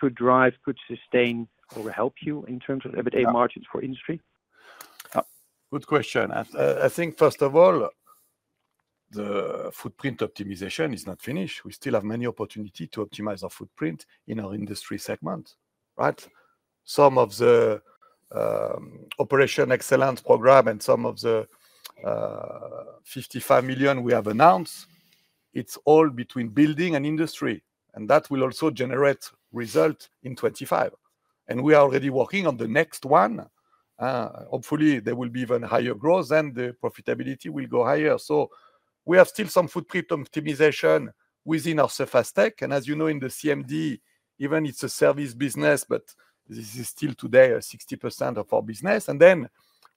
could drive, could sustain, or help you in terms of EBITDA margins for industry? Good question. I think, first of all, the footprint optimization is not finished. We still have many opportunities to optimize our footprint in our industry segment, right? Some of the operational excellence program and some of the 55 million we have announced, it's all between building and industry. And that will also generate results in 2025. And we are already working on the next one. Hopefully, there will be even higher growth and the profitability will go higher. So we have still some footprint optimization within our surface tech. And as you know, in the CMD, even it's a service business, but this is still today 60% of our business. And then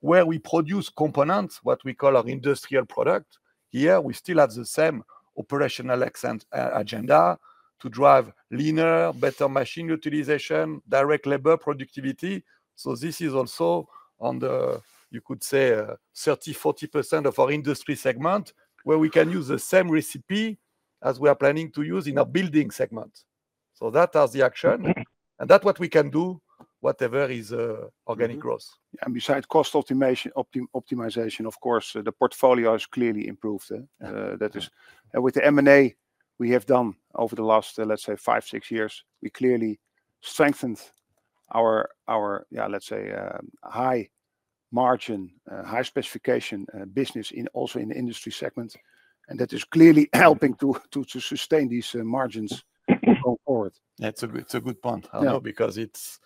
where we produce components, what we call our industrial product, here, we still have the same operational agenda to drive leaner, better machine utilization, direct labor productivity. So this is also on the, you could say, 30%-40% of our industry segment where we can use the same recipe as we are planning to use in our building segment. So that has the action. And that's what we can do, whatever is organic growth. And besides cost optimization, of course, the portfolio has clearly improved. With the M&A we have done over the last, let's say, five, six years, we clearly strengthened our, yeah, let's say, high margin, high specification business also in the industry segment. That is clearly helping to sustain these margins going forward. It's a good point. I know because it's,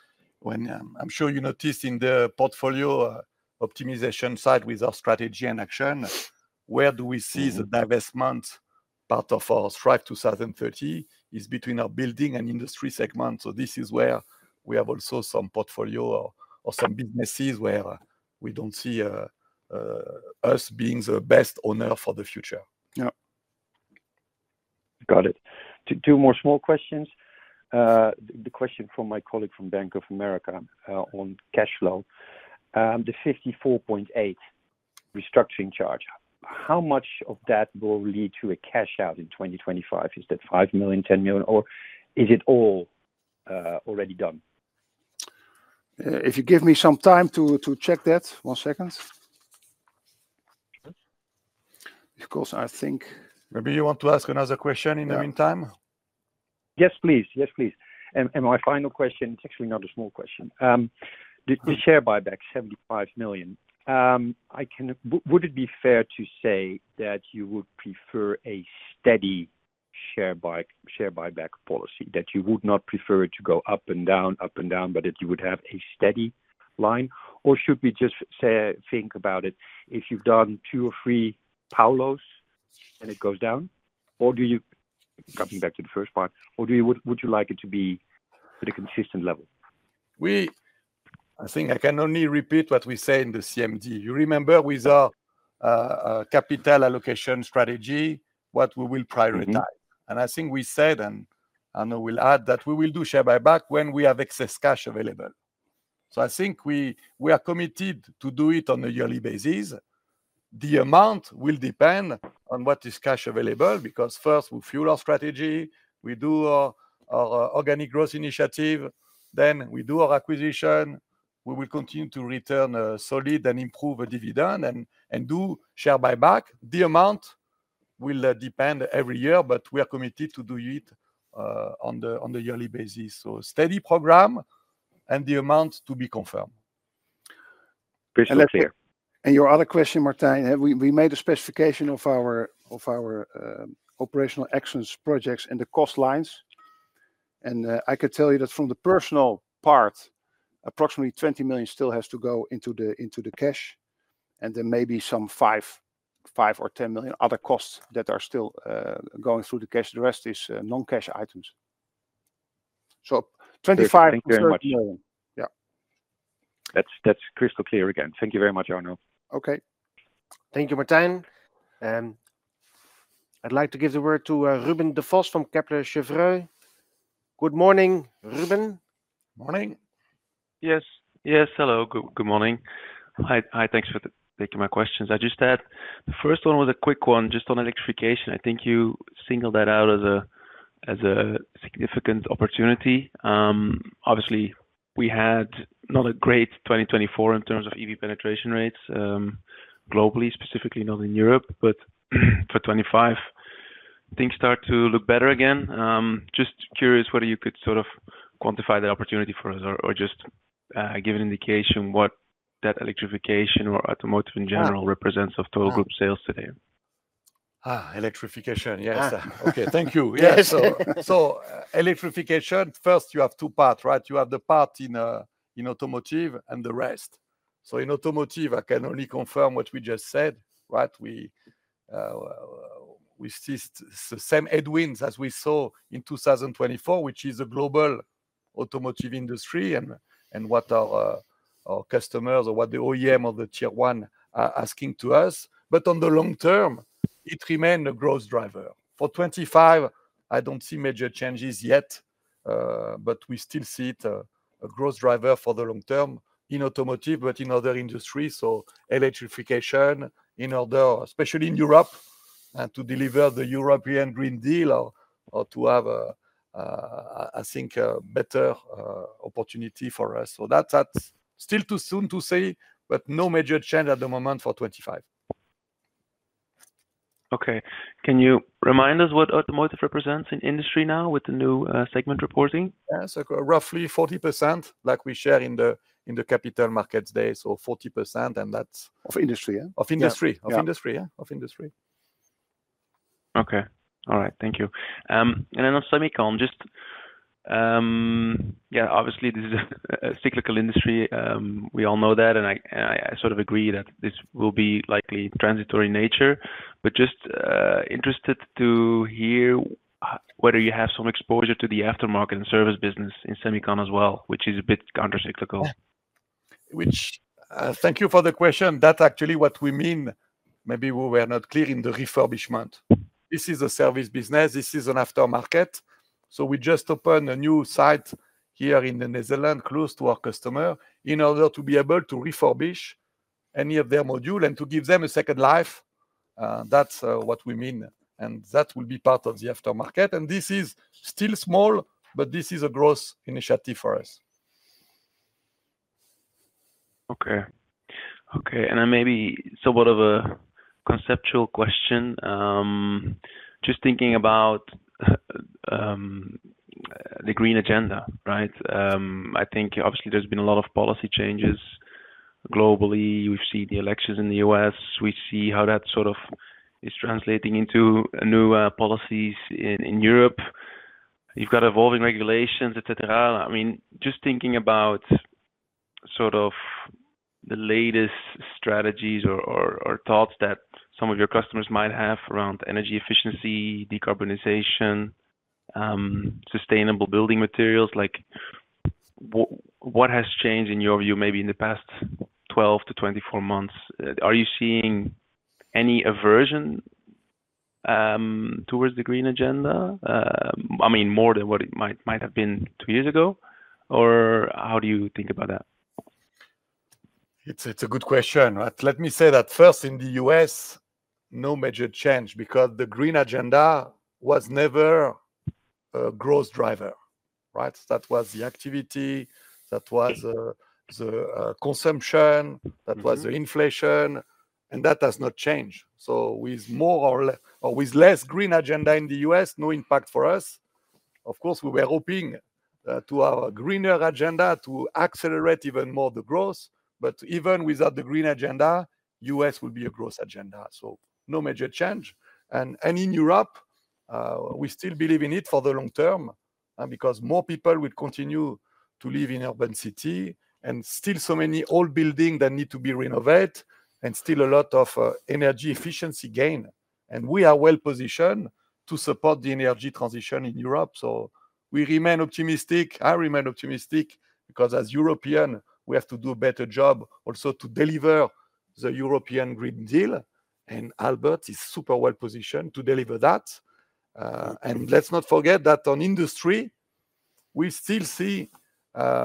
I'm sure you noticed in the portfolio optimization side with our strategy and action, where do we see the divestment part of our Aalberts 2030 is between our building and industry segment. So this is where we have also some portfolio or some businesses where we don't see us being the best owner for the future. Yeah. Got it. Two more small questions. The question from my colleague from Bank of America on cash flow, the 54.8 restructuring charge. How much of that will lead to a cash out in 2025? Is that five million, 10 million, or is it all already done? If you give me some time to check that, one second. Of course, I think. Maybe you want to ask another question in the meantime? Yes, please. Yes, please. My final question, it's actually not a small question. The share buyback, 75 million. Would it be fair to say that you would prefer a steady share buyback policy, that you would not prefer it to go up and down, up and down, but that you would have a steady line? Or should we just say, think about it, if you've done two or three payouts and it goes down? Or do you, coming back to the first part, or would you like it to be at a consistent level? I think I can only repeat what we said in the CMD. You remember with our capital allocation strategy, what we will prioritize. And I think we said, and I know we'll add that we will do share buyback when we have excess cash available. So I think we are committed to do it on a yearly basis. The amount will depend on what is cash available because first, we fuel our strategy, we do our organic growth initiative, then we do our acquisition, we will continue to return solid and improve a dividend and do share buyback. The amount will depend every year, but we are committed to do it on the yearly basis. So steady program and the amount to be confirmed. And that's it. And your other question, Martijn, we made a specification of our operational excellence projects and the cost lines. And I could tell you that from the personal part, approximately 20 million still has to go into the cash, and there may be some 5 million or 10 million other costs that are still going through the cash. The rest is non-cash items. So EUR 25- EUR 30 million. Yeah. That's crystal clear again. Thank you very much, Arno. Okay. Thank you, Martijn. I'd like to give the word to Ruben Devos from Kepler Cheuvreux. Good morning, Ruben. Morning. Yes. Yes. Hello. Good morning. Hi. Thanks for taking my questions. I just had the first one was a quick one, just on electrification. I think you singled that out as a significant opportunity. Obviously, we had not a great 2024 in terms of EV penetration rates globally, specifically not in Europe, but for 2025, things start to look better again. Just curious whether you could sort of quantify that opportunity for us or just give an indication what that electrification or automotive in general represents of total group sales today. Electrification, yes. Okay. Thank you. Yes. So electrification, first, you have two parts, right? You have the part in automotive and the rest. So in automotive, I can only confirm what we just said, right? We see the same headwinds as we saw in 2024, which is a global automotive industry and what our customers or what the OEM of the Tier 1 are asking to us. But on the long term, it remained a growth driver. For 2025, I don't see major changes yet, but we still see it a growth driver for the long term in automotive, but in other industries. So electrification, in order, especially in Europe, to deliver the European Green Deal or to have, I think, a better opportunity for us. So that's still too soon to say, but no major change at the moment for 25. Okay. Can you remind us what automotive represents in industry now with the new segment reporting? Yeah. So roughly 40%, like we share in the Capital Markets Day. So 40%, and that's of industry. Okay. All right. Thank you. And then on semiconductor, just, yeah, obviously, this is a cyclical industry. We all know that. And I sort of agree that this will be likely transitory in nature. But just interested to hear whether you have some exposure to the aftermarket and service business in semiconductor as well, which is a bit countercyclical. Thank you for the question. That's actually what we mean. Maybe we were not clear in the refurbishment. This is a service business. This is an aftermarket. So we just opened a new site here in the Netherlands close to our customer in order to be able to refurbish any of their modules and to give them a second life. That's what we mean, and that will be part of the aftermarket, and this is still small, but this is a growth initiative for us. Okay. Okay, and then maybe somewhat of a conceptual question. Just thinking about the green agenda, right? I think, obviously, there's been a lot of policy changes globally. We've seen the elections in the U.S. We see how that sort of is translating into new policies in Europe. You've got evolving regulations, etc. I mean, just thinking about sort of the latest strategies or thoughts that some of your customers might have around energy efficiency, decarbonization, sustainable building materials, what has changed in your view maybe in the past 12 to 24 months? Are you seeing any aversion towards the green agenda? I mean, more than what it might have been two years ago? Or how do you think about that? It's a good question, right? Let me say that first, in the U.S., no major change because the green agenda was never a growth driver, right? That was the activity. That was the consumption. That was the inflation. And that has not changed. So with more or with less green agenda in the U.S., no impact for us. Of course, we were hoping to have a greener agenda to accelerate even more the growth. But even without the green agenda, U.S. will be a growth agenda. So no major change. And in Europe, we still believe in it for the long term because more people will continue to live in urban cities and still so many old buildings that need to be renovated and still a lot of energy efficiency gain. And we are well-positioned to support the energy transition in Europe. So we remain optimistic. I remain optimistic because as Europeans, we have to do a better job also to deliver the European Green Deal. And Aalberts is super well-positioned to deliver that. And let's not forget that on industry, we still see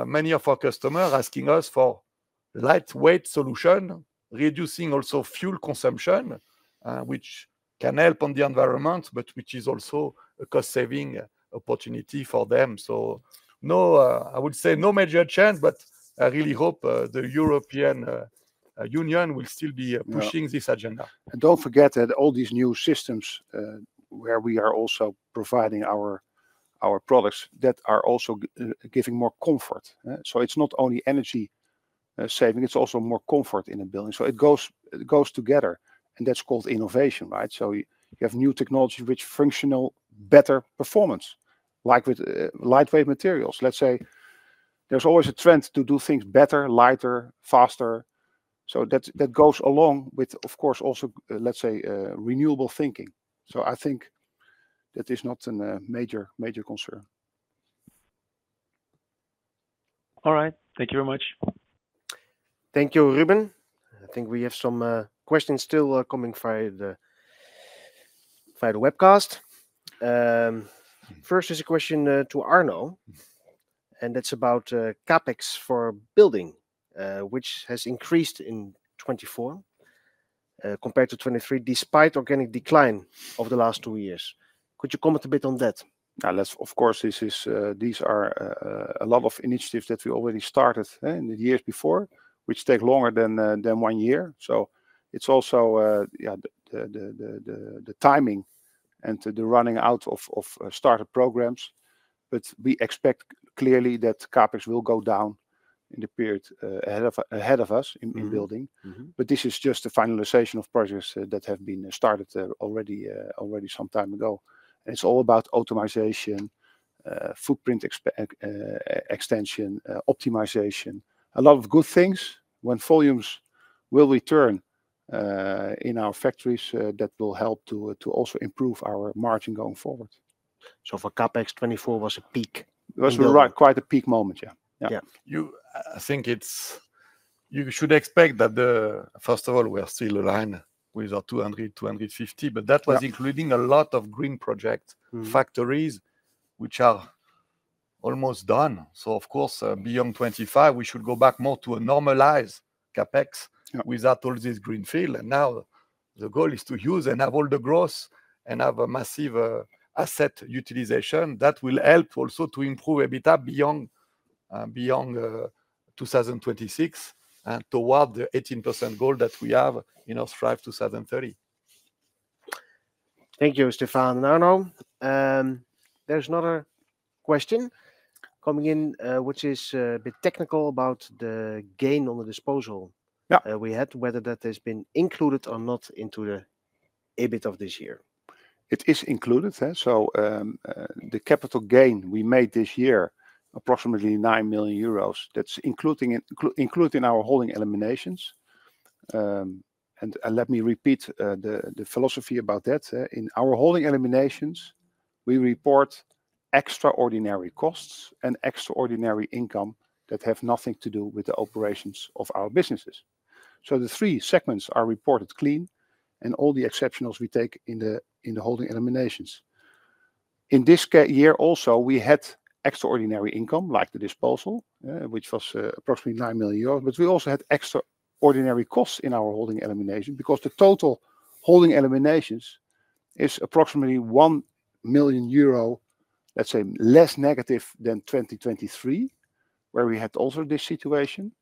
many of our customers asking us for lightweight solutions, reducing also fuel consumption, which can help on the environment, but which is also a cost-saving opportunity for them. So I would say no major change, but I really hope the European Union will still be pushing this agenda. And don't forget that all these new systems where we are also providing our products that are also giving more comfort. So it's not only energy saving, it's also more comfort in a building. So it goes together. And that's called innovation, right? So you have new technology which functional better performance, like with lightweight materials. Let's say there's always a trend to do things better, lighter, faster. So that goes along with, of course, also, let's say, renewable thinking. So I think that is not a major concern. All right. Thank you very much. Thank you, Ruben. I think we have some questions still coming via the webcast. First is a question to Arno. And it's about CapEx for building, which has increased in 2024 compared to 2023 despite organic decline over the last two years. Could you comment a bit on that? Of course, these are a lot of initiatives that we already started in the years before, which take longer than one year. So it's also, yeah, the timing and the running out of startup programs. But we expect clearly that CapEx will go down in the period ahead of us in building. But this is just the finalization of projects that have been started already some time ago. And it's all about optimization, footprint extension, optimization. A lot of good things when volumes will return in our factories that will help to also improve our margin going forward. So for CapEx, 2024 was a peak. It was quite a peak moment. Yeah. Yeah. I think you should expect that, first of all, we are still aligned with our 200-250, but that was including a lot of green project factories which are almost done. So, of course, beyond 2025, we should go back more to a normalized CapEx without all this greenfield. And now the goal is to use and have all the growth and have a massive asset utilization that will help also to improve EBITDA beyond 2026 toward the 18% goal that we have in our Strategy 2030. Thank you, Stéphane. Arno, there's another question coming in, which is a bit technical about the gain on the disposal we had, whether that has been included or not into the EBIT of this year. It is included. So the capital gain we made this year, approximately 9 million euros, that's included in our holding eliminations. And let me repeat the philosophy about that. In our holding eliminations, we report extraordinary costs and extraordinary income that have nothing to do with the operations of our businesses. So the three segments are reported clean, and all the exceptionals we take in the holding eliminations. In this year also, we had extraordinary income like the disposal, which was approximately 9 million euros. But we also had extraordinary costs in our holding elimination because the total holding eliminations is approximately 1 million euro, let's say, less negative than 2023, where we had also this situation.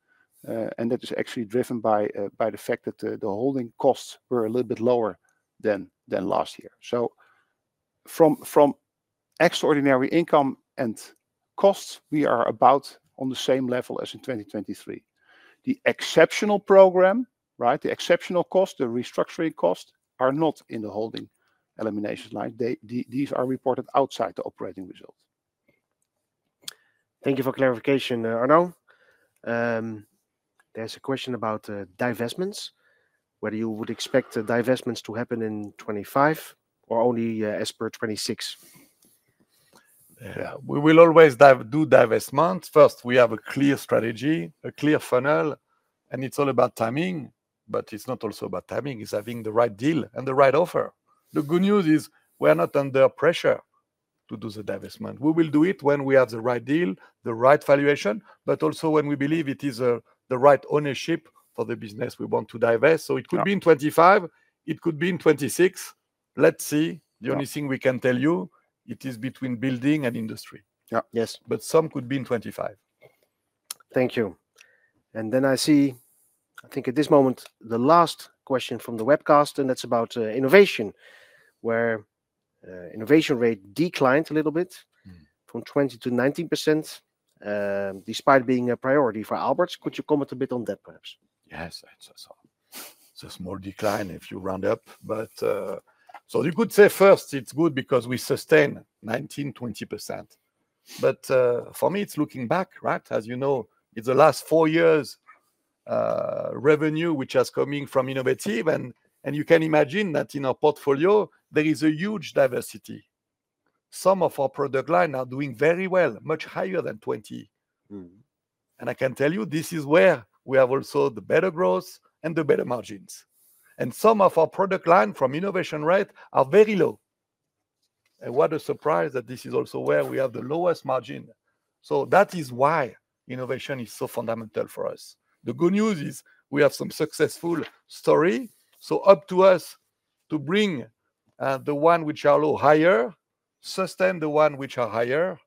And that is actually driven by the fact that the holding costs were a little bit lower than last year. So from extraordinary income and costs, we are about on the same level as in 2023. The exceptional program, right, the exceptional costs, the restructuring costs are not in the holding elimination line. These are reported outside the operating result. Thank you for clarification, Arno. There's a question about divestments, whether you would expect divestments to happen in 2025 or only as per 2026. We will always do divestments. First, we have a clear strategy, a clear funnel, and it's all about timing. But it's not also about timing. It's having the right deal and the right offer. The good news is we are not under pressure to do the divestment. We will do it when we have the right deal, the right valuation, but also when we believe it is the right ownership for the business we want to divest. So it could be in 2025. It could be in 2026. Let's see. The only thing we can tell you, it is between building and industry. But some could be in 2025. Thank you. And then I see, I think at this moment, the last question from the webcast, and that's about innovation, where innovation rate declined a little bit from 20% to 19% despite being a priority for Aalberts. Could you comment a bit on that, perhaps? Yes. It's a small decline if you round up. But so you could say first, it's good because we sustain 19%-20%. But for me, it's looking back, right? As you know, it's the last four years' revenue which is coming from innovative. And you can imagine that in our portfolio, there is a huge diversity. Some of our product line are doing very well, much higher than 20%. And I can tell you, this is where we have also the better growth and the better margins. And some of our product line from innovation rate are very low. What a surprise that this is also where we have the lowest margin. So that is why innovation is so fundamental for us. The good news is we have some successful story. So up to us to bring the one which are low higher, sustain the one which are higher,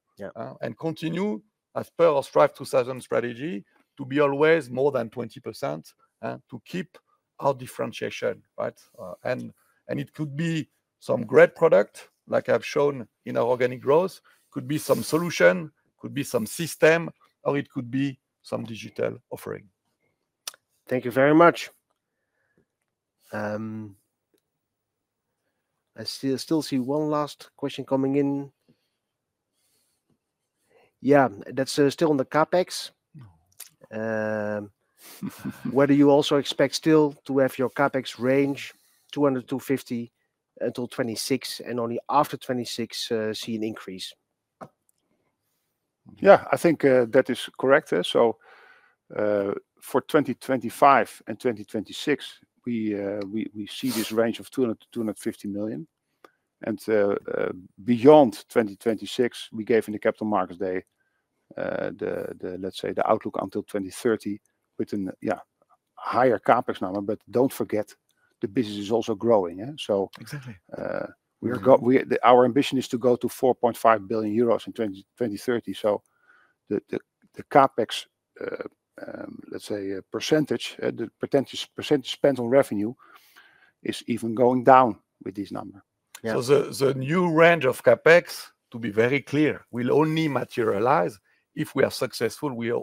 and continue as per our Strategy 2025 strategy to be always more than 20% to keep our differentiation, right? And it could be some great product, like I've shown in our organic growth. It could be some solution, could be some system, or it could be some digital offering. Thank you very much. I still see one last question coming in. Yeah. That's still on the CapEx. Whether you also expect still to have your CapEx range 200 million-250 million until 2026 and only after 2026 see an increase. Yeah. I think that is correct. For 2025 and 2026, we see this range of 200 million-250 million. Beyond 2026, we gave in the Capital Markets Day, let's say, the outlook until 2030 with a higher CapEx number. Don't forget, the business is also growing. Our ambition is to go to 4.5 billion euros in 2030. The CapEx, let's say, percentage, the percentage spent on revenue is even going down with this number. The new range of CapEx, to be very clear, will only materialize if we are successful with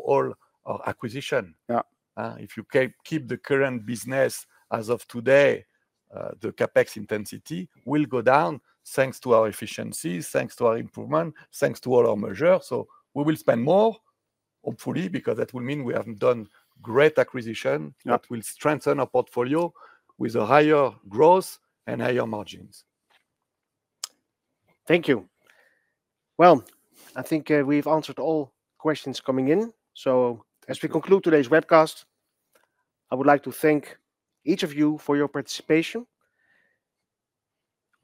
all our acquisition. If you keep the current business as of today, the CapEx intensity will go down thanks to our efficiencies, thanks to our improvement, thanks to all our measures. We will spend more, hopefully, because that will mean we have done great acquisition that will strengthen our portfolio with a higher growth and higher margins. Thank you. I think we've answered all questions coming in. As we conclude today's webcast, I would like to thank each of you for your participation.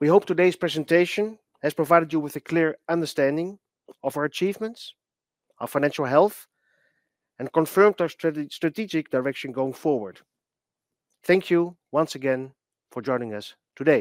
We hope today's presentation has provided you with a clear understanding of our achievements, our financial health, and confirmed our strategic direction going forward. Thank you once again for joining us today.